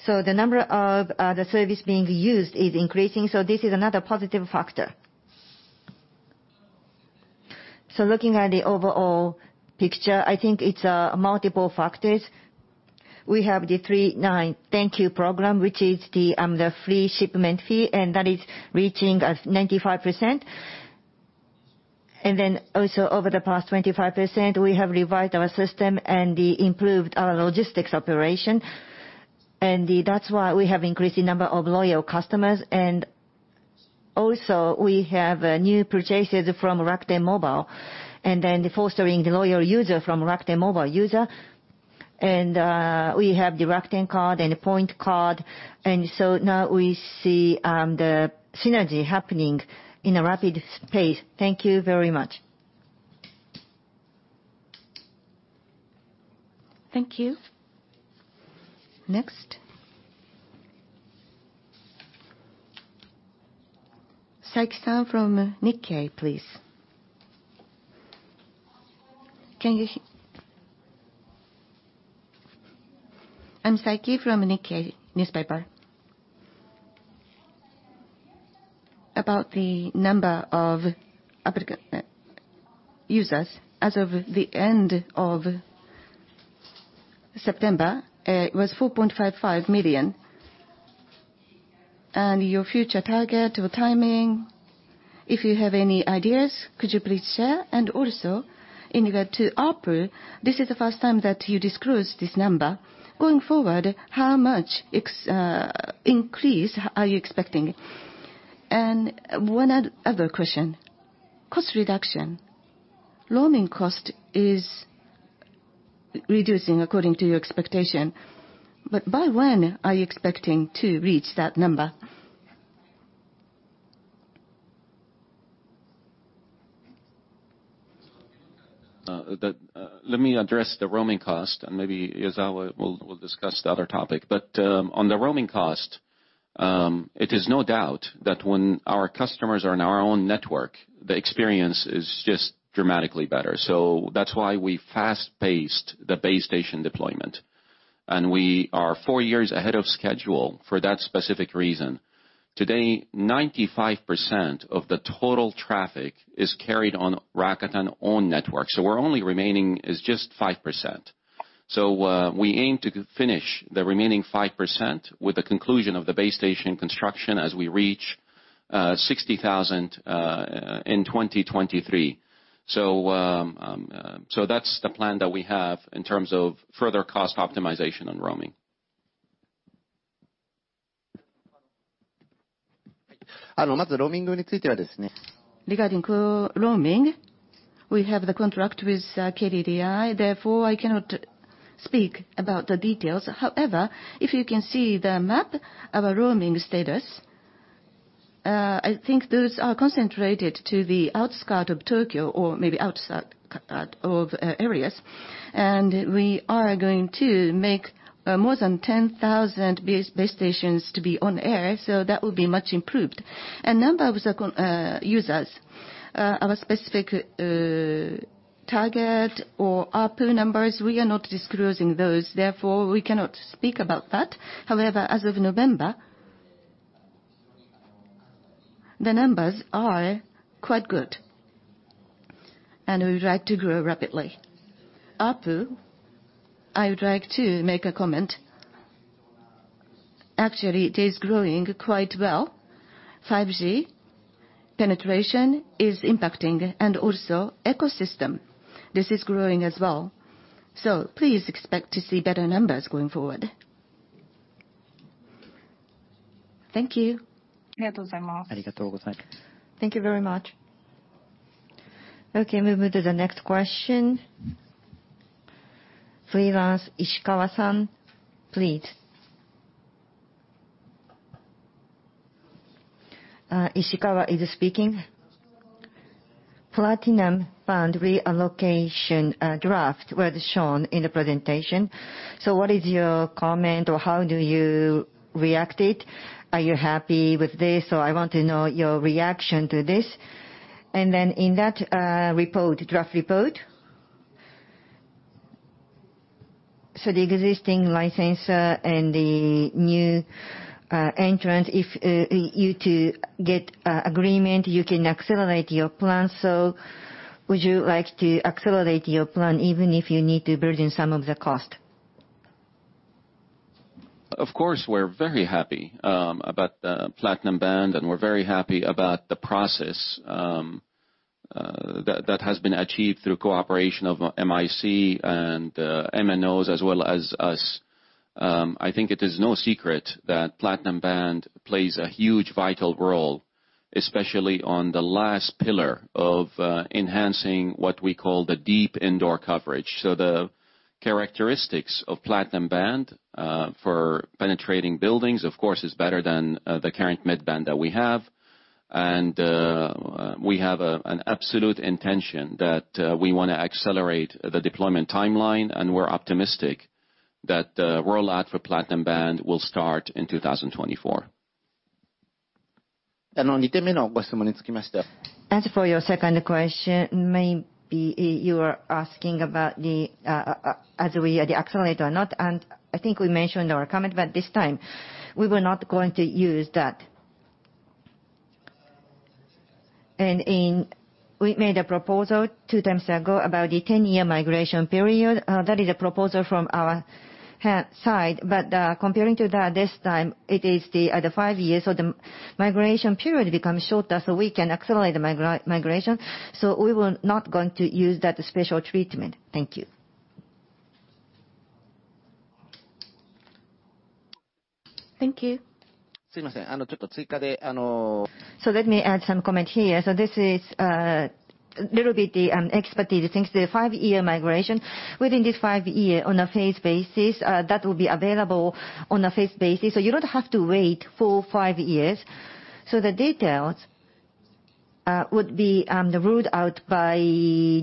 The number of the service being used is increasing, so this is another positive factor. Looking at the overall picture, I think it's multiple factors. We have the 39 Shop Program, which is the free shipping fee, and that is reaching 95%. Then also over the past 25%, we have revised our system and improved our logistics operation. That's why we have increased the number of loyal customers. Also we have new purchases from Rakuten Mobile and then fostering the loyal user from Rakuten Mobile user. We have the Rakuten Card and the Rakuten Point Card. Now we see the synergy happening at a rapid pace. Thank you very much. Thank you. Next. Saiki-san from Nikkei, please. Can you hear? I'm Saiki from Nikkei. About the number of users as of the end of September was 4.55 million. Your future target or timing, if you have any ideas, could you please share? Also in regard to ARPU, this is the first time that you disclosed this number. Going forward, how much increase are you expecting? One other question. Cost reduction. Roaming cost is reducing according to your expectation, but by when are you expecting to reach that number? Let me address the roaming cost and maybe Yazawa will discuss the other topic. On the roaming cost, it is no doubt that when our customers are on our own network, the experience is just dramatically better. That's why we fast-paced the base station deployment, and we are four years ahead of schedule for that specific reason. Today, 95% of the total traffic is carried on Rakuten's own network, so the only remaining is just 5%. We aim to finish the remaining 5% with the conclusion of the base station construction as we reach 60,000 in 2023. That's the plan that we have in terms of further cost optimization on roaming. Regarding co-roaming, we have the contract with KDDI, therefore, I cannot speak about the details. However, if you can see the map of our roaming status, I think those are concentrated to the outskirts of Tokyo or maybe outside of areas. We are going to make more than 10,000 base stations to be on air, so that will be much improved. A number of the connected users, our specific target or ARPU numbers, we are not disclosing those, therefore we cannot speak about that. However, as of November, the numbers are quite good, and we would like to grow rapidly. ARPU, I would like to make a comment. Actually it is growing quite well. 5G penetration is impacting and also ecosystem. This is growing as well. Please expect to see better numbers going forward. Thank you. Thank you very much. Okay, we move to the next question. Freelance Ishikawa-san, please. Platinum band reallocation draft was shown in the presentation. What is your comment or how do you react to it? Are you happy with this? I want to know your reaction to this. Then in that draft report, the existing licensee and the new entrant, if you two get an agreement, you can accelerate your plan. Would you like to accelerate your plan even if you need to burden some of the cost? Of course, we're very happy about the platinum band, and we're very happy about the process that has been achieved through cooperation of MIC and MNOs as well as us. I think it is no secret that platinum band plays a huge vital role, especially on the last pillar of enhancing what we call the deep indoor coverage. The characteristics of platinum band for penetrating buildings of course is better than the current mid-band that we have. We have an absolute intention that we wanna accelerate the deployment timeline, and we're optimistic that the rollout for platinum band will start in 2024. As for your second question, maybe you are asking about the as we accelerate or not, and I think we mentioned our comment, but this time we were not going to use that. We made a proposal two times ago about the 10-year migration period. That is a proposal from our side. But comparing to that, this time it is the five years, so the migration period becomes shorter, so we can accelerate the migration. We will not going to use that special treatment. Thank you. Thank you. Let me add some comment here. This is little bit the expertise. Since the five-year migration, within this five-year on a phase basis, that will be available on a phase basis. You don't have to wait for five years. The details would be rolled out by,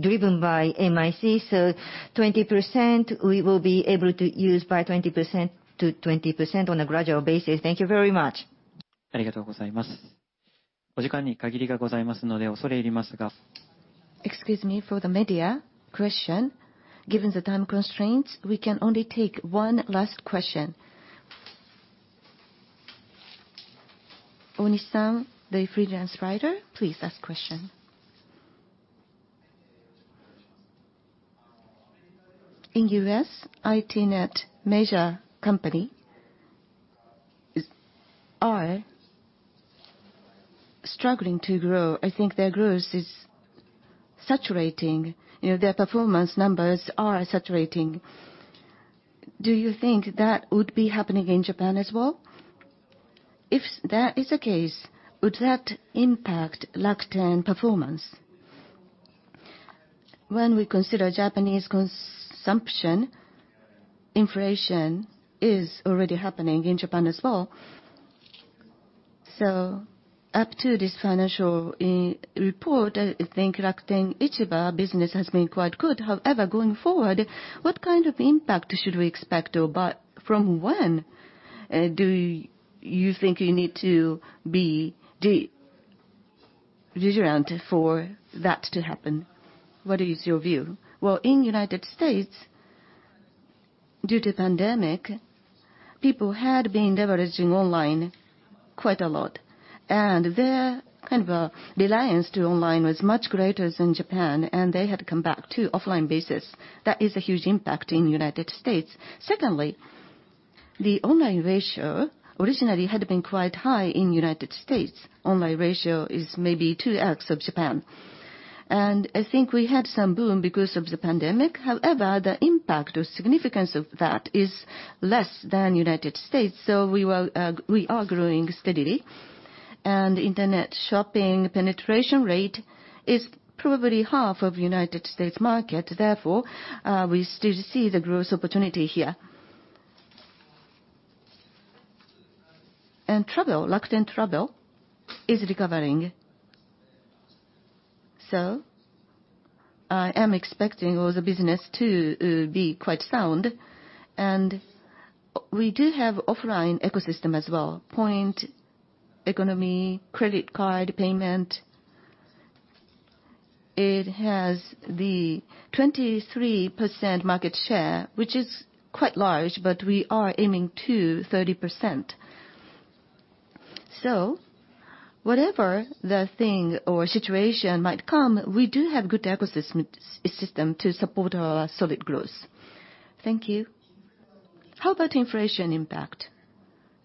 driven by MIC. 20%, we will be able to use by 20% to 20% on a gradual basis. Thank you very much. Excuse me for the media question. Given the time constraints, we can only take one last question. Oni-san, the freelance writer, please ask question. In the U.S., internet major companies are struggling to grow. I think their growth is saturating. You know, their performance numbers are saturating. Do you think that would be happening in Japan as well? If that is the case, would that impact Rakuten performance? When we consider Japanese consumption, inflation is already happening in Japan as well. Up to this financial report, I think Rakuten Ichiba business has been quite good. However, going forward, what kind of impact should we expect or from when, do you think you need to be vigilant for that to happen? What is your view? Well, in United States, due to pandemic, people had been leveraging online quite a lot, and their kind of reliance to online was much greater than Japan, and they had to come back to offline basis. That is a huge impact in United States. Secondly, the online ratio originally had been quite high in United States. Online ratio is maybe 2x of Japan. I think we had some boom because of the pandemic. However, the impact or significance of that is less than United States. We are growing steadily, and internet shopping penetration rate is probably 1/2 of United States market. Therefore, we still see the growth opportunity here. Travel, Rakuten Travel is recovering. I am expecting all the business to be quite sound. We do have offline ecosystem as well, point economy, credit card payment. It has the 23% market share, which is quite large, but we are aiming to 30%. Whatever the thing or situation might come, we do have good ecosystem system to support our solid growth. Thank you. How about inflation impact?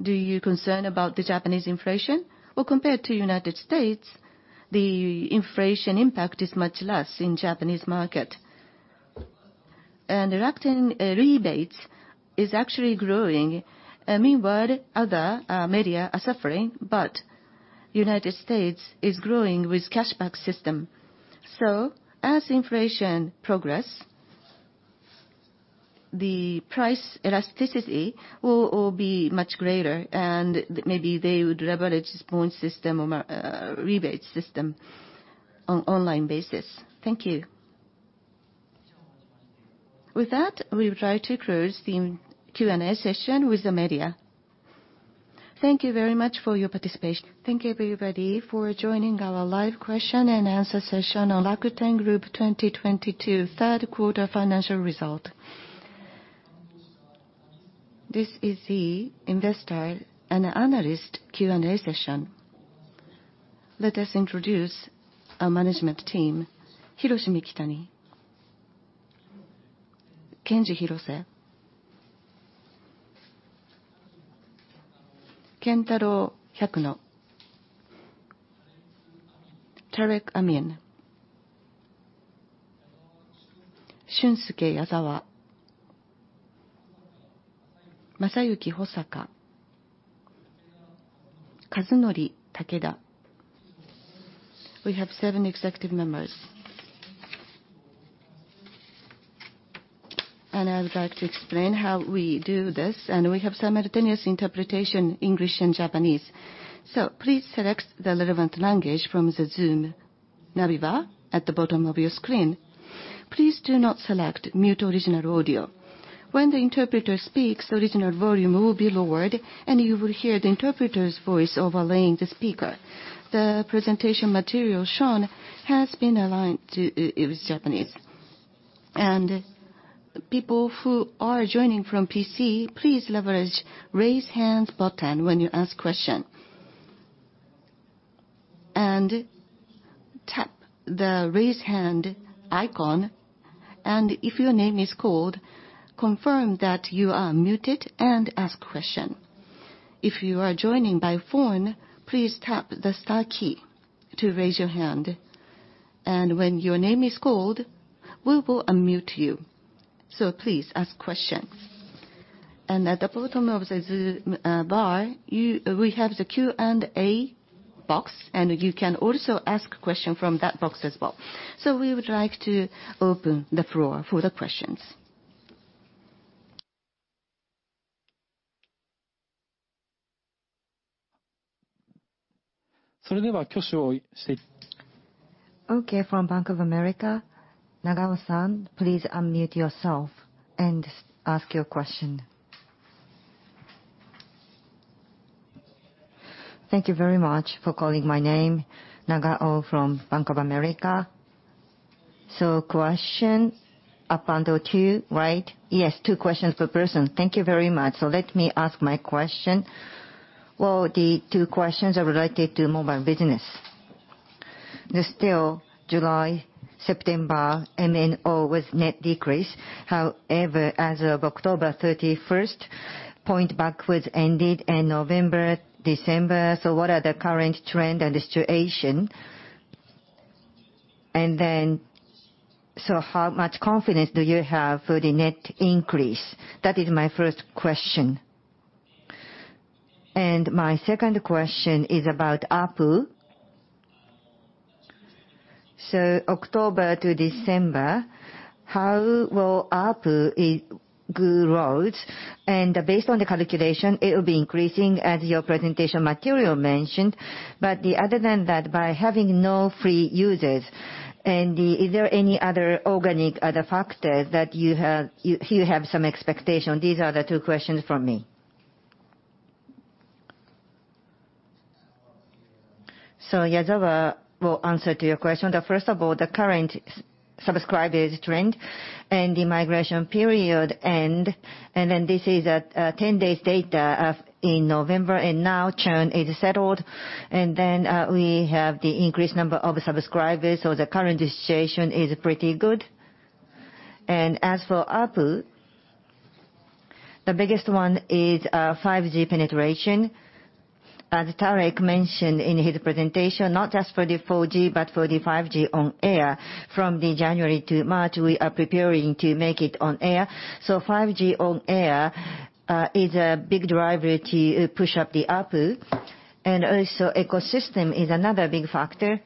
Do you concern about the Japanese inflation? Well, compared to United States, the inflation impact is much less in Japanese market. Rakuten Rebates is actually growing. Meanwhile other media are suffering, but United States is growing with cashback system. As inflation progress, the price elasticity will be much greater, and maybe they would leverage this point system or rebate system on online basis. Thank you. With that, we would like to close the Q&A session with the media. Thank you very much for your participation. Thank you, everybody, for joining our live question-and-answer session on Rakuten Group 2022 third quarter financial results. This is the investor and analyst Q&A session. Let us introduce our management team. Hiroshi Mikitani, Kenji Hirose, Kentaro Hyakuno, Tareq Amin, Shunsuke Yazawa, Masayuki Hosaka, Kazunori Takeda. We have seven executive members. I would like to explain how we do this, and we have simultaneous interpretation, English and Japanese. Please select the relevant language from the Zoom navigator at the bottom of your screen. Please do not select Mute Original Audio. When the interpreter speaks, the original volume will be lowered, and you will hear the interpreter's voice overlaying the speaker. The presentation material shown has been aligned with Japanese. People who are joining from PC, please leverage Raise Hands button when you ask question. Tap the Raise Hand icon, and if your name is called, confirm that you are un-muted and ask question. If you are joining by phone, please tap the star key to raise your hand. When your name is called, we will unmute you. Please ask question. At the bottom of the Zoom bar, we have the Q&A box, and you can also ask question from that box as well. We would like to open the floor for the questions. Okay, from Bank of America, Nagao-san, please unmute yourself and ask your question. Thank you very much for calling my name. Nagao from Bank of America. Question, up until two, right? Yes, two questions per person. Thank you very much. Let me ask my question. Well, the two questions are related to mobile business. There's still July, September, MNO was net decrease. However, as of October 31, point backwards ended in November, December. What are the current trend and situation? How much confidence do you have for the net increase? That is my first question. My second question is about ARPU. October to December, how will ARPU it grows? Based on the calculation, it will be increasing as your presentation material mentioned. Other than that, by having no free users, is there any other organic, other factors that you have some expectation? These are the two questions from me. Yazawa will answer to your question. First of all, the current subscribers trend and the migration period end, and then this is 10 days data in November, and now churn is settled. We have the increased number of subscribers, so the current situation is pretty good. As for ARPU, the biggest one is 5G penetration. As Tareq mentioned in his presentation, not just for the 4G, but for the 5G on air. From January to March, we are preparing to make it on air. 5G on air is a big driver to push up the ARPU. Ecosystem is another big factor.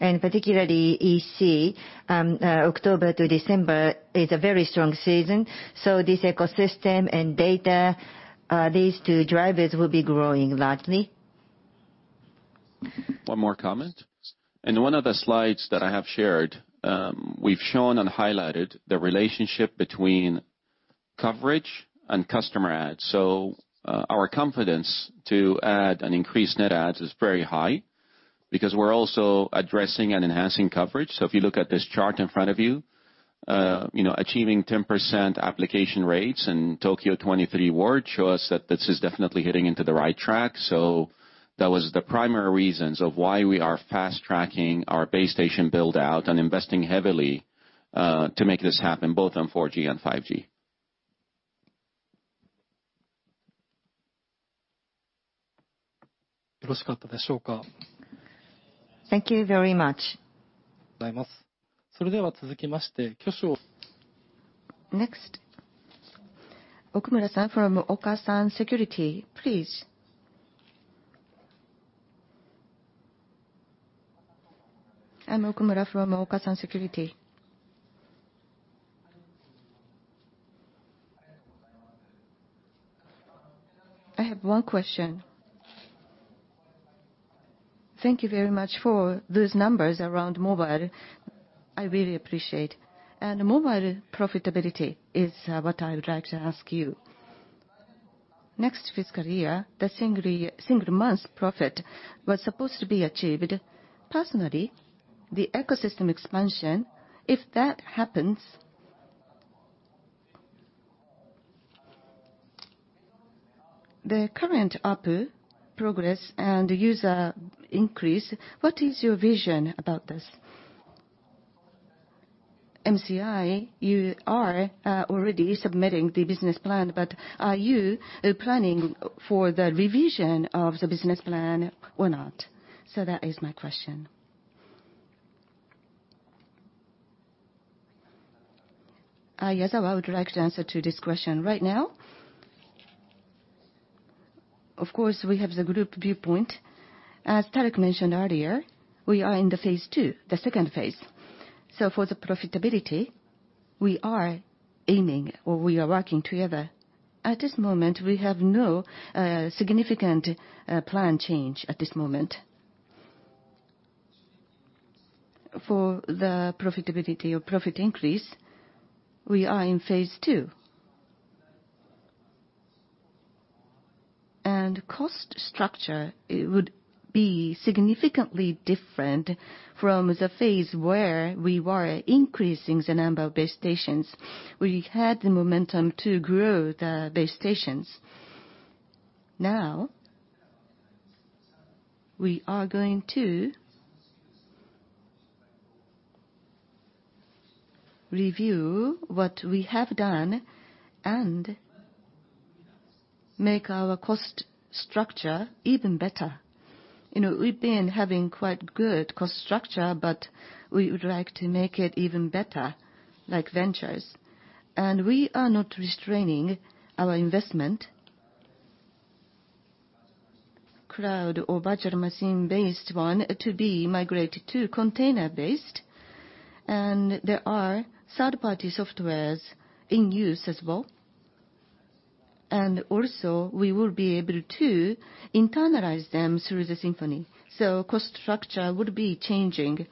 Particularly EC, October to December is a very strong season. This ecosystem and data, these two drivers will be growing largely. One more comment. In one of the slides that I have shared, we've shown and highlighted the relationship between coverage and customer adds. Our confidence to add and increase net adds is very high because we're also addressing and enhancing coverage. If you look at this chart in front of you know, achieving 10% application rates in Tokyo 23 wards shows us that this is definitely on the right track. That was the primary reasons of why we are fast-tracking our base station build-out and investing heavily to make this happen, both on 4G and 5G. Thank you very much. Next, Okumura-san from Okasan Securities, please. I'm Okumura from Okasan Securities. I have one question. Thank you very much for those numbers around mobile. I really appreciate. Mobile profitability is what I would like to ask you. Next fiscal year, the single monthly profit was supposed to be achieved. Personally, the ecosystem expansion, if that happens, the current ARPU progress and user increase, what is your vision about this? MIC, you are already submitting the business plan, but are you planning for the revision of the business plan or not? That is my question. Yazawa would like to answer this question. Right now, of course, we have the group viewpoint. As Tareq mentioned earlier, we are in the phase two, the second phase. For the profitability we are aiming or we are working together. At this moment, we have no significant plan change at this moment. For the profitability or profit increase, we are in phase two. Cost structure, it would be significantly different from the phase where we were increasing the number of base stations. We had the momentum to grow the base stations. Now we are going to review what we have done and make our cost structure even better. You know, we've been having quite good cost structure, but we would like to make it even better, like ventures. We are not restraining our investment. Cloud or virtual machine-based one to be migrated to container-based. There are third-party softwares in use as well. We will be able to internalize them through the Symphony. Cost structure would be changing.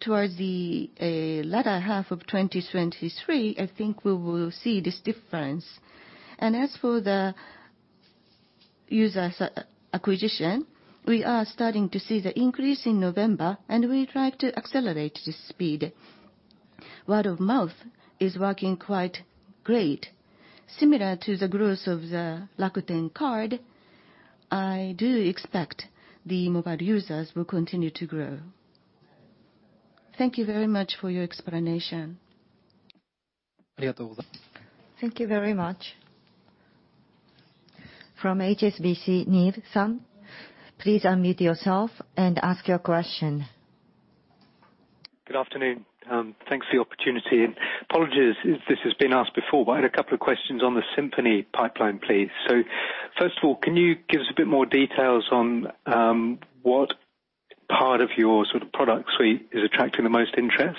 Towards the latter half of 2023, I think we will see this difference. As for the user acquisition, we are starting to see the increase in November, and we try to accelerate the speed. Word of mouth is working quite great. Similar to the growth of the Rakuten Card, I do expect the mobile users will continue to grow. Thank you very much for your explanation. Thank you very much. From HSBC, Neale Anderson. Please unmute yourself and ask your question. Good afternoon. Thanks for the opportunity and apologies if this has been asked before, but I had a couple of questions on the Symphony pipeline, please. First of all, can you give us a bit more details on what part of your sort of product suite is attracting the most interest?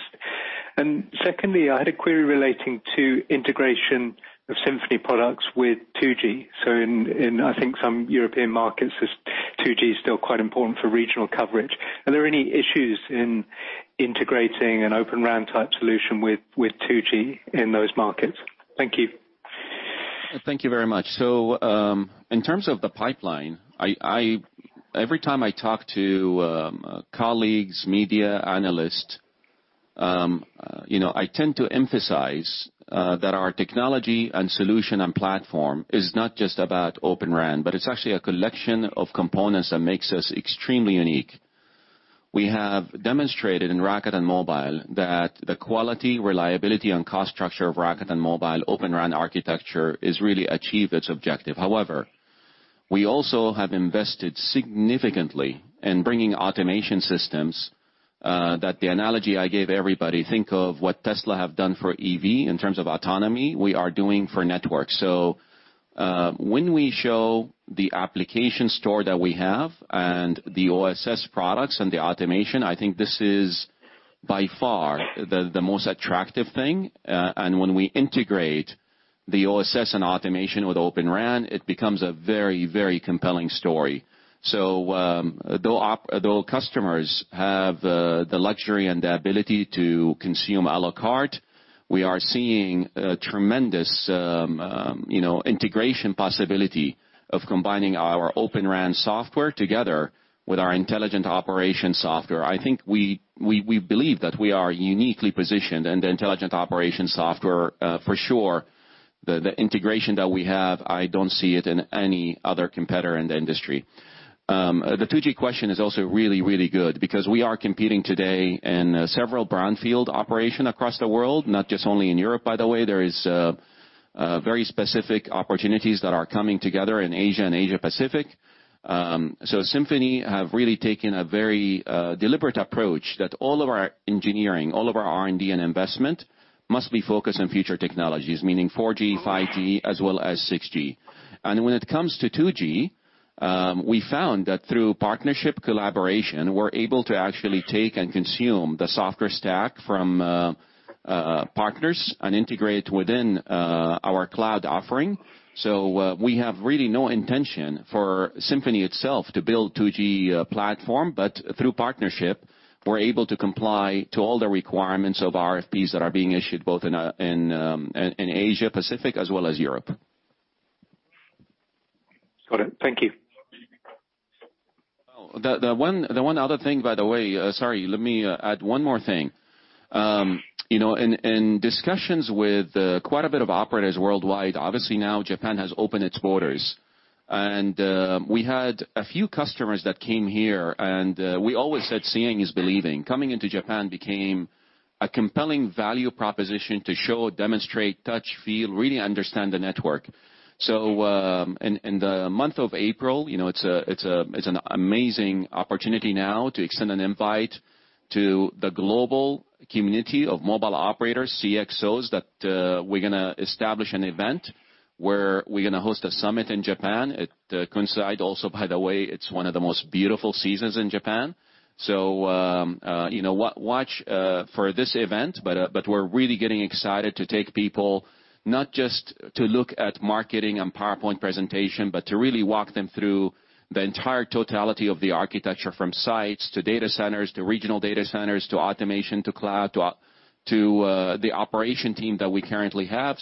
Secondly, I had a query relating to integration of Symphony products with 2G. In, I think, some European markets 2G is still quite important for regional coverage. Are there any issues in integrating an Open RAN-type solution with 2G in those markets? Thank you. Thank you very much. In terms of the pipeline, every time I talk to colleagues, media, analysts, you know, I tend to emphasize that our technology and solution and platform is not just about Open RAN, but it's actually a collection of components that makes us extremely unique. We have demonstrated in Rakuten Mobile that the quality, reliability and cost structure of Rakuten Mobile Open RAN architecture has really achieved its objective. However, we also have invested significantly in bringing automation systems that the analogy I gave everybody, think of what Tesla have done for EV in terms of autonomy we are doing for network. When we show the application store that we have and the OSS products and the automation, I think this is by far the most attractive thing. When we integrate the OSS and automation with Open RAN, it becomes a very compelling story. Though customers have the luxury and the ability to consume a la carte, we are seeing a tremendous, you know, integration possibility of combining our Open RAN software together with our intelligent operation software. I think we believe that we are uniquely positioned in the intelligent operation software, for sure. The integration that we have, I don't see it in any other competitor in the industry. The 2G question is also really good because we are competing today in several brownfield operation across the world, not just only in Europe, by the way. There is very specific opportunities that are coming together in Asia and Asia Pacific. Symphony have really taken a very deliberate approach that all of our engineering, all of our R&D and investment must be focused on future technologies, meaning 4G, 5G as well as 6G. When it comes to 2G, we found that through partnership collaboration, we're able to actually take and consume the software stack from partners and integrate within our cloud offering. We have really no intention for Symphony itself to build 2G platform. Through partnership, we're able to comply to all the requirements of RFPs that are being issued both in Asia Pacific as well as Europe. Got it. Thank you. The one other thing by the way. Sorry, let me add one more thing. You know, in discussions with quite a bit of operators worldwide, obviously now Japan has opened its borders. We had a few customers that came here, and we always said, "Seeing is believing." Coming into Japan became a compelling value proposition to show, demonstrate, touch, feel, really understand the network. In the month of April, you know, it's an amazing opportunity now to extend an invite to the global community of mobile operators, CXOs, that we're gonna establish an event where we're gonna host a summit in Japan. It coincide also by the way, it's one of the most beautiful seasons in Japan. You know, watch for this event. We're really getting excited to take people, not just to look at marketing and PowerPoint presentation, but to really walk them through the entire totality of the architecture from sites to data centers, to regional data centers, to automation, to cloud, to the operation team that we currently have.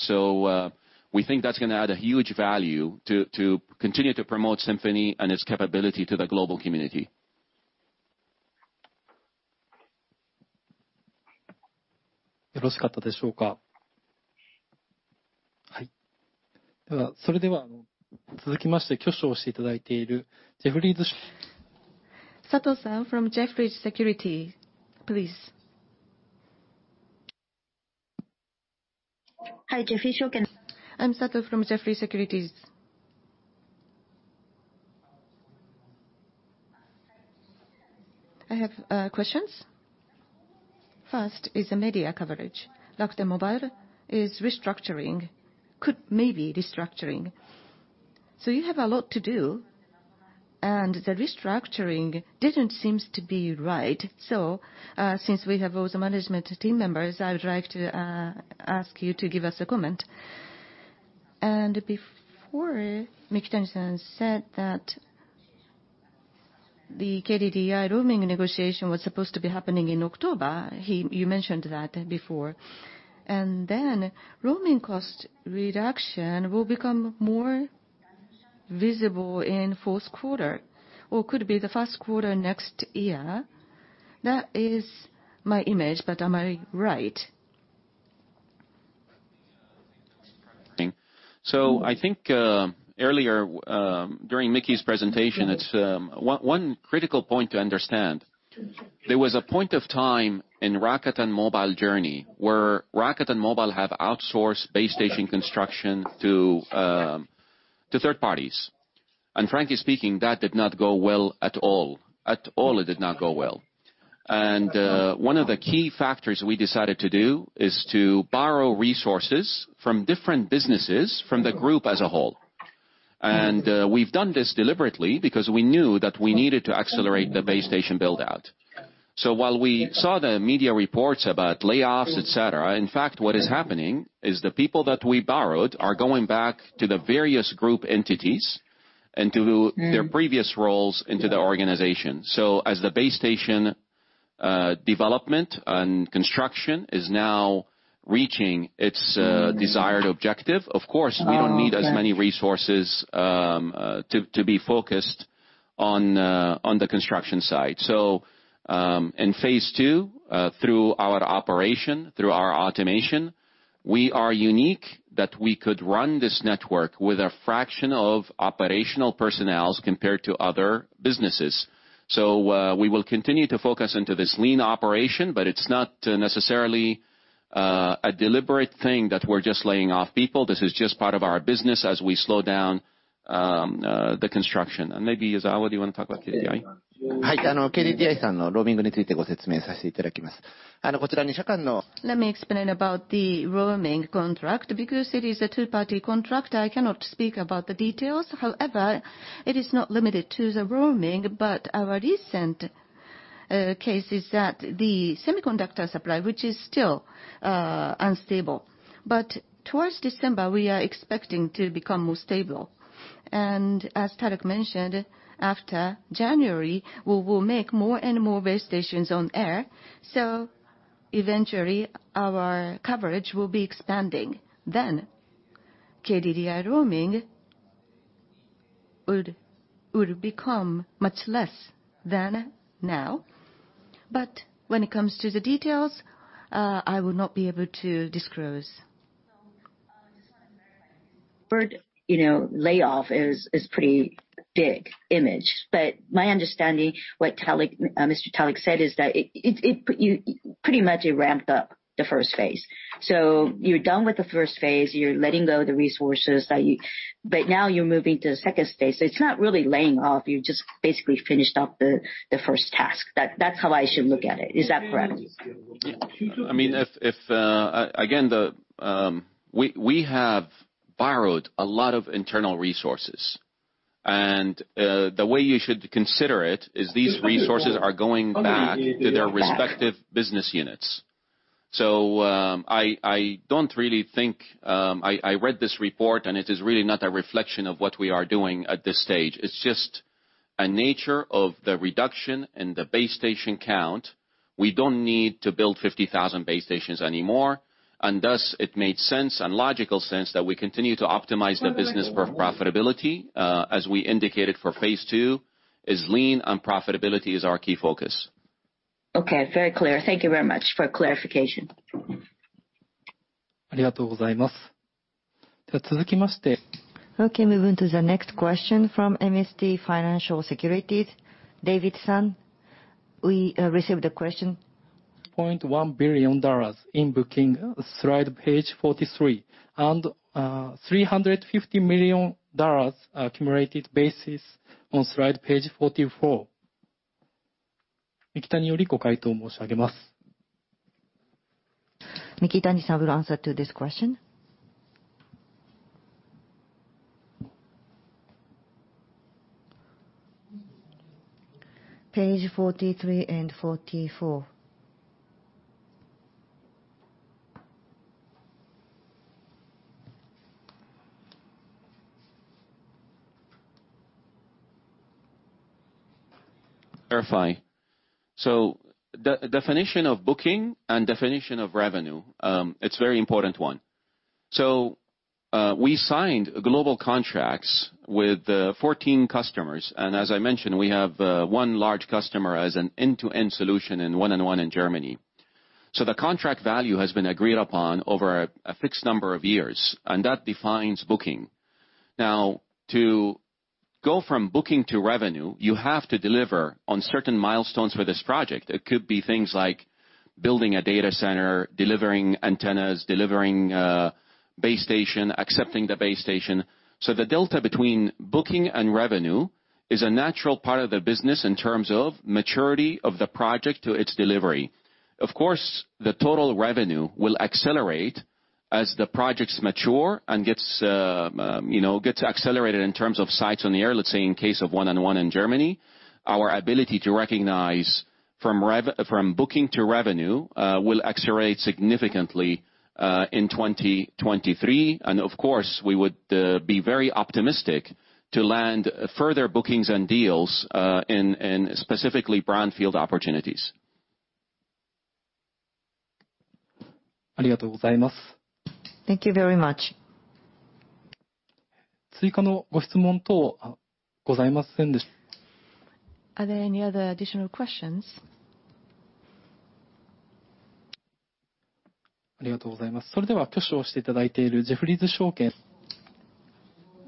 We think that's gonna add a huge value to continue to promote Symphony and its capability to the global community. Sato-san from Jefferies, please. Hi, Jefferies. I'm Sato from Jefferies Securities. I have questions. First is the media coverage. Rakuten Mobile is restructuring. You have a lot to do, and the restructuring doesn't seem to be right. Since we have all the management team members, I would like to ask you to give us a comment. Before, Mikitani-san said that the KDDI roaming negotiation was supposed to be happening in October. You mentioned that before. Then roaming cost reduction will become more visible in fourth quarter or could be the first quarter next year. That is my image, but am I right? I think earlier during Miki's presentation, it's one critical point to understand. There was a point of time in Rakuten Mobile journey where Rakuten Mobile have outsourced base station construction to third parties. Frankly speaking, that did not go well at all. One of the key factors we decided to do is to borrow resources from different businesses from the group as a whole. We've done this deliberately because we knew that we needed to accelerate the base station build-out. While we saw the media reports about layoffs, et cetera, in fact, what is happening is the people that we borrowed are going back to the various group entities and to their previous roles into the organization. As the base station development and construction is now reaching its desired objective, of course, we don't need as many resources to be focused on the construction side. In phase two, through our operation, through our automation, we are unique that we could run this network with a fraction of operational personnel compared to other businesses. We will continue to focus into this lean operation, but it's not necessarily a deliberate thing that we're just laying off people. This is just part of our business as we slow down the construction. Maybe, Yazawa, do you wanna talk about KDDI? Let me explain about the roaming contract. Because it is a two-party contract, I cannot speak about the details. However, it is not limited to the roaming, but our recent case is that the semiconductor supply, which is still unstable. Towards December, we are expecting to become more stable. As Tareq mentioned, after January, we will make more and more base stations on air. Eventually, our coverage will be expanding. KDDI roaming would become much less than now. When it comes to the details, I will not be able to disclose. You know, layoff is pretty big image. My understanding what Tareq, Mr. Tareq said is that you pretty much ramped up the first phase. You're done with the first phase, you're letting go of the resources that you. Now you're moving to the second phase. It's not really laying off, you've just basically finished up the first task. That's how I should look at it. Is that correct? We have borrowed a lot of internal resources. The way you should consider it is these resources are going back to their respective business units. I don't really think. I read this report, and it is really not a reflection of what we are doing at this stage. It's just the nature of the reduction in the base station count. We don't need to build 50,000 base stations anymore. Thus, it made sense and logical sense that we continue to optimize the business for profitability, as we indicated for phase two, is lean and profitability is our key focus. Okay. Very clear. Thank you very much for clarification. Thank you very much. Okay. Moving to the next question from MST Financial, David San. We received a question. $0.1 billion in booking, slide page 43, and $350 million accumulated basis on slide page 44. Mikitani-san will answer to this question. Page 43 and 44. Verify. The definition of booking and definition of revenue, it's very important one. We signed global contracts with 14 customers, and as I mentioned, we have one large customer as an end-to-end solution and 1&1 in Germany. The contract value has been agreed upon over a fixed number of years, and that defines booking. Now, to go from booking to revenue, you have to deliver on certain milestones for this project. It could be things like building a data center, delivering antennas, delivering base station, accepting the base station. The delta between booking and revenue is a natural part of the business in terms of maturity of the project to its delivery. Of course, the total revenue will accelerate as the projects mature and gets accelerated in terms of sites on the air, let's say in case of 1&1 in Germany. Our ability to recognize from booking to revenue will accelerate significantly in 2023. Of course, we would be very optimistic to land further bookings and deals in specifically brownfield opportunities. Thank you very much. Are there any other additional questions?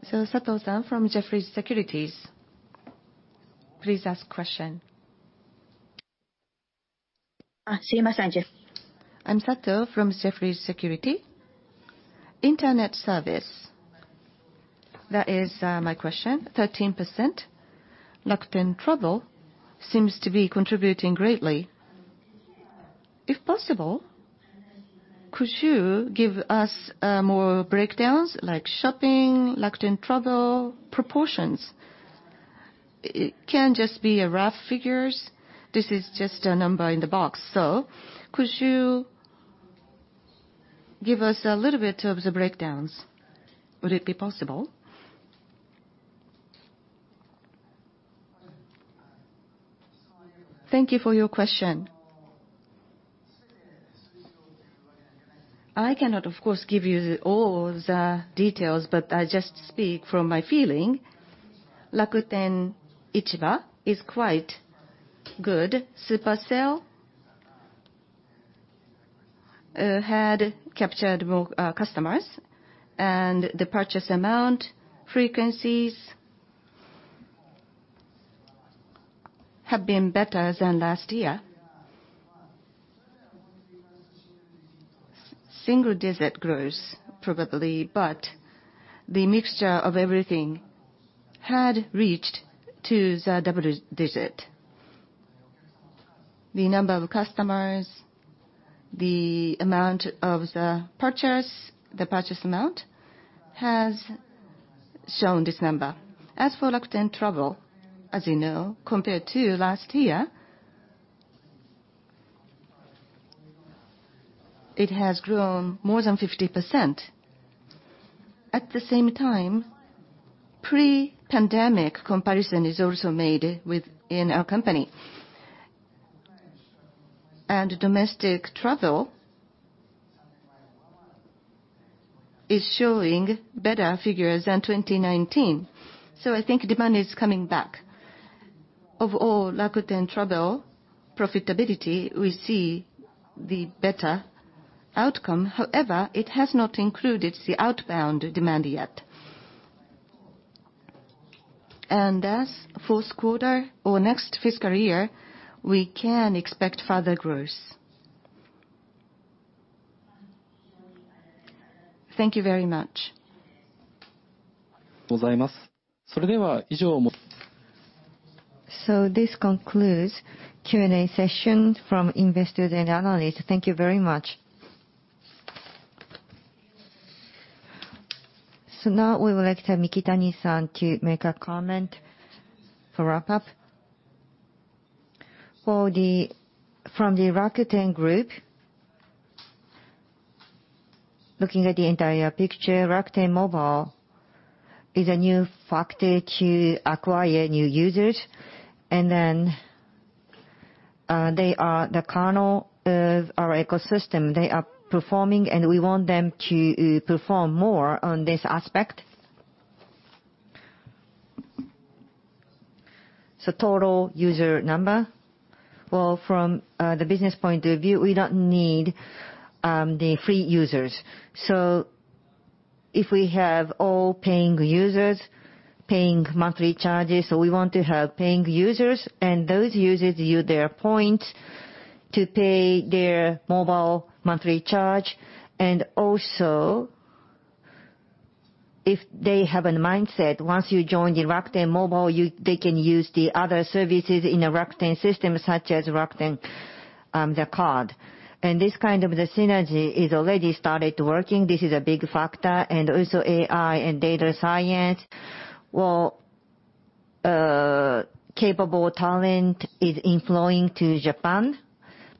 Sato-san from Jefferies Securities, please ask question. Excuse me. I'm Sato from Jefferies Securities. Internet service, that is, my question, 13%. Rakuten Travel seems to be contributing greatly. If possible, could you give us more breakdowns like shopping, Rakuten Travel proportions? It can just be rough figures. This is just a number in the box. Could you give us a little bit of the breakdowns? Would it be possible? Thank you for your question. I cannot of course give you all the details, but I just speak from my feeling. Rakuten Ichiba is quite good. Super Sale had captured more customers, and the purchase amount, frequencies have been better than last year. Single-digit growth probably, but the mixture of everything had reached to the double-digit. The number of customers, the purchase amount, has shown this number. As for Rakuten Travel, as you know, compared to last year, it has grown more than 50%. At the same time, pre-pandemic comparison is also made within our company. Domestic travel is showing better figures than 2019. I think demand is coming back. Of all Rakuten Travel profitability, we see the better outcome. However, it has not included the outbound demand yet. Thus, fourth quarter or next fiscal year, we can expect further growth. Thank you very much. This concludes Q&A session from investors and analysts. Thank you very much. Now, we would like to have Mikitani San to make a comment for wrap up. From the Rakuten Group, looking at the entire picture, Rakuten Mobile is a new factor to acquire new users, and then they are the kernel of our ecosystem. They are performing, and we want them to perform more on this aspect. Total user number. From the business point of view, we don't need the free users. If we have all paying users paying monthly charges, we want to have paying users, and those users use their points to pay their mobile monthly charge. If they have a mindset, once you join the Rakuten Mobile, they can use the other services in a Rakuten system, such as Rakuten Card. This kind of the synergy is already started working. This is a big factor, and also AI and data science. Capable talent is inflowing to Japan.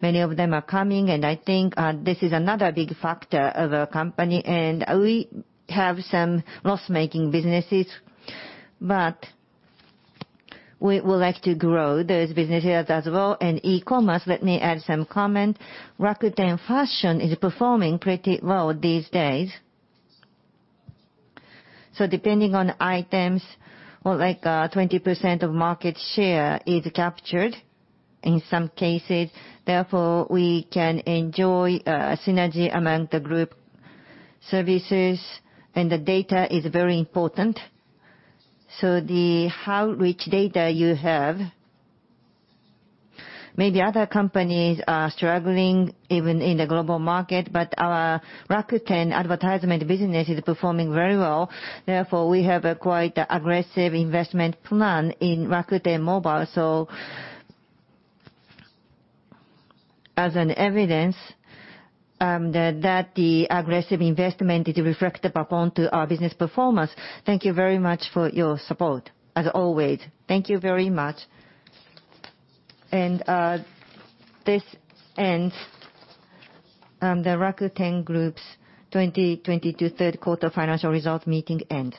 Many of them are coming, and I think this is another big factor of our company, and we have some loss-making businesses, but we would like to grow those businesses as well. E-commerce, let me add some comment. Rakuten Fashion is performing pretty well these days. Depending on items or like, 20% of market share is captured in some cases, therefore, we can enjoy synergy among the group services, and the data is very important. The how rich data you have, maybe other companies are struggling even in the global market, but our Rakuten advertisement business is performing very well. Therefore, we have a quite aggressive investment plan in Rakuten Mobile. As an evidence, that the aggressive investment is reflected upon to our business performance. Thank you very much for your support as always. Thank you very much. This ends the Rakuten Group's 2022 third quarter financial result meeting end.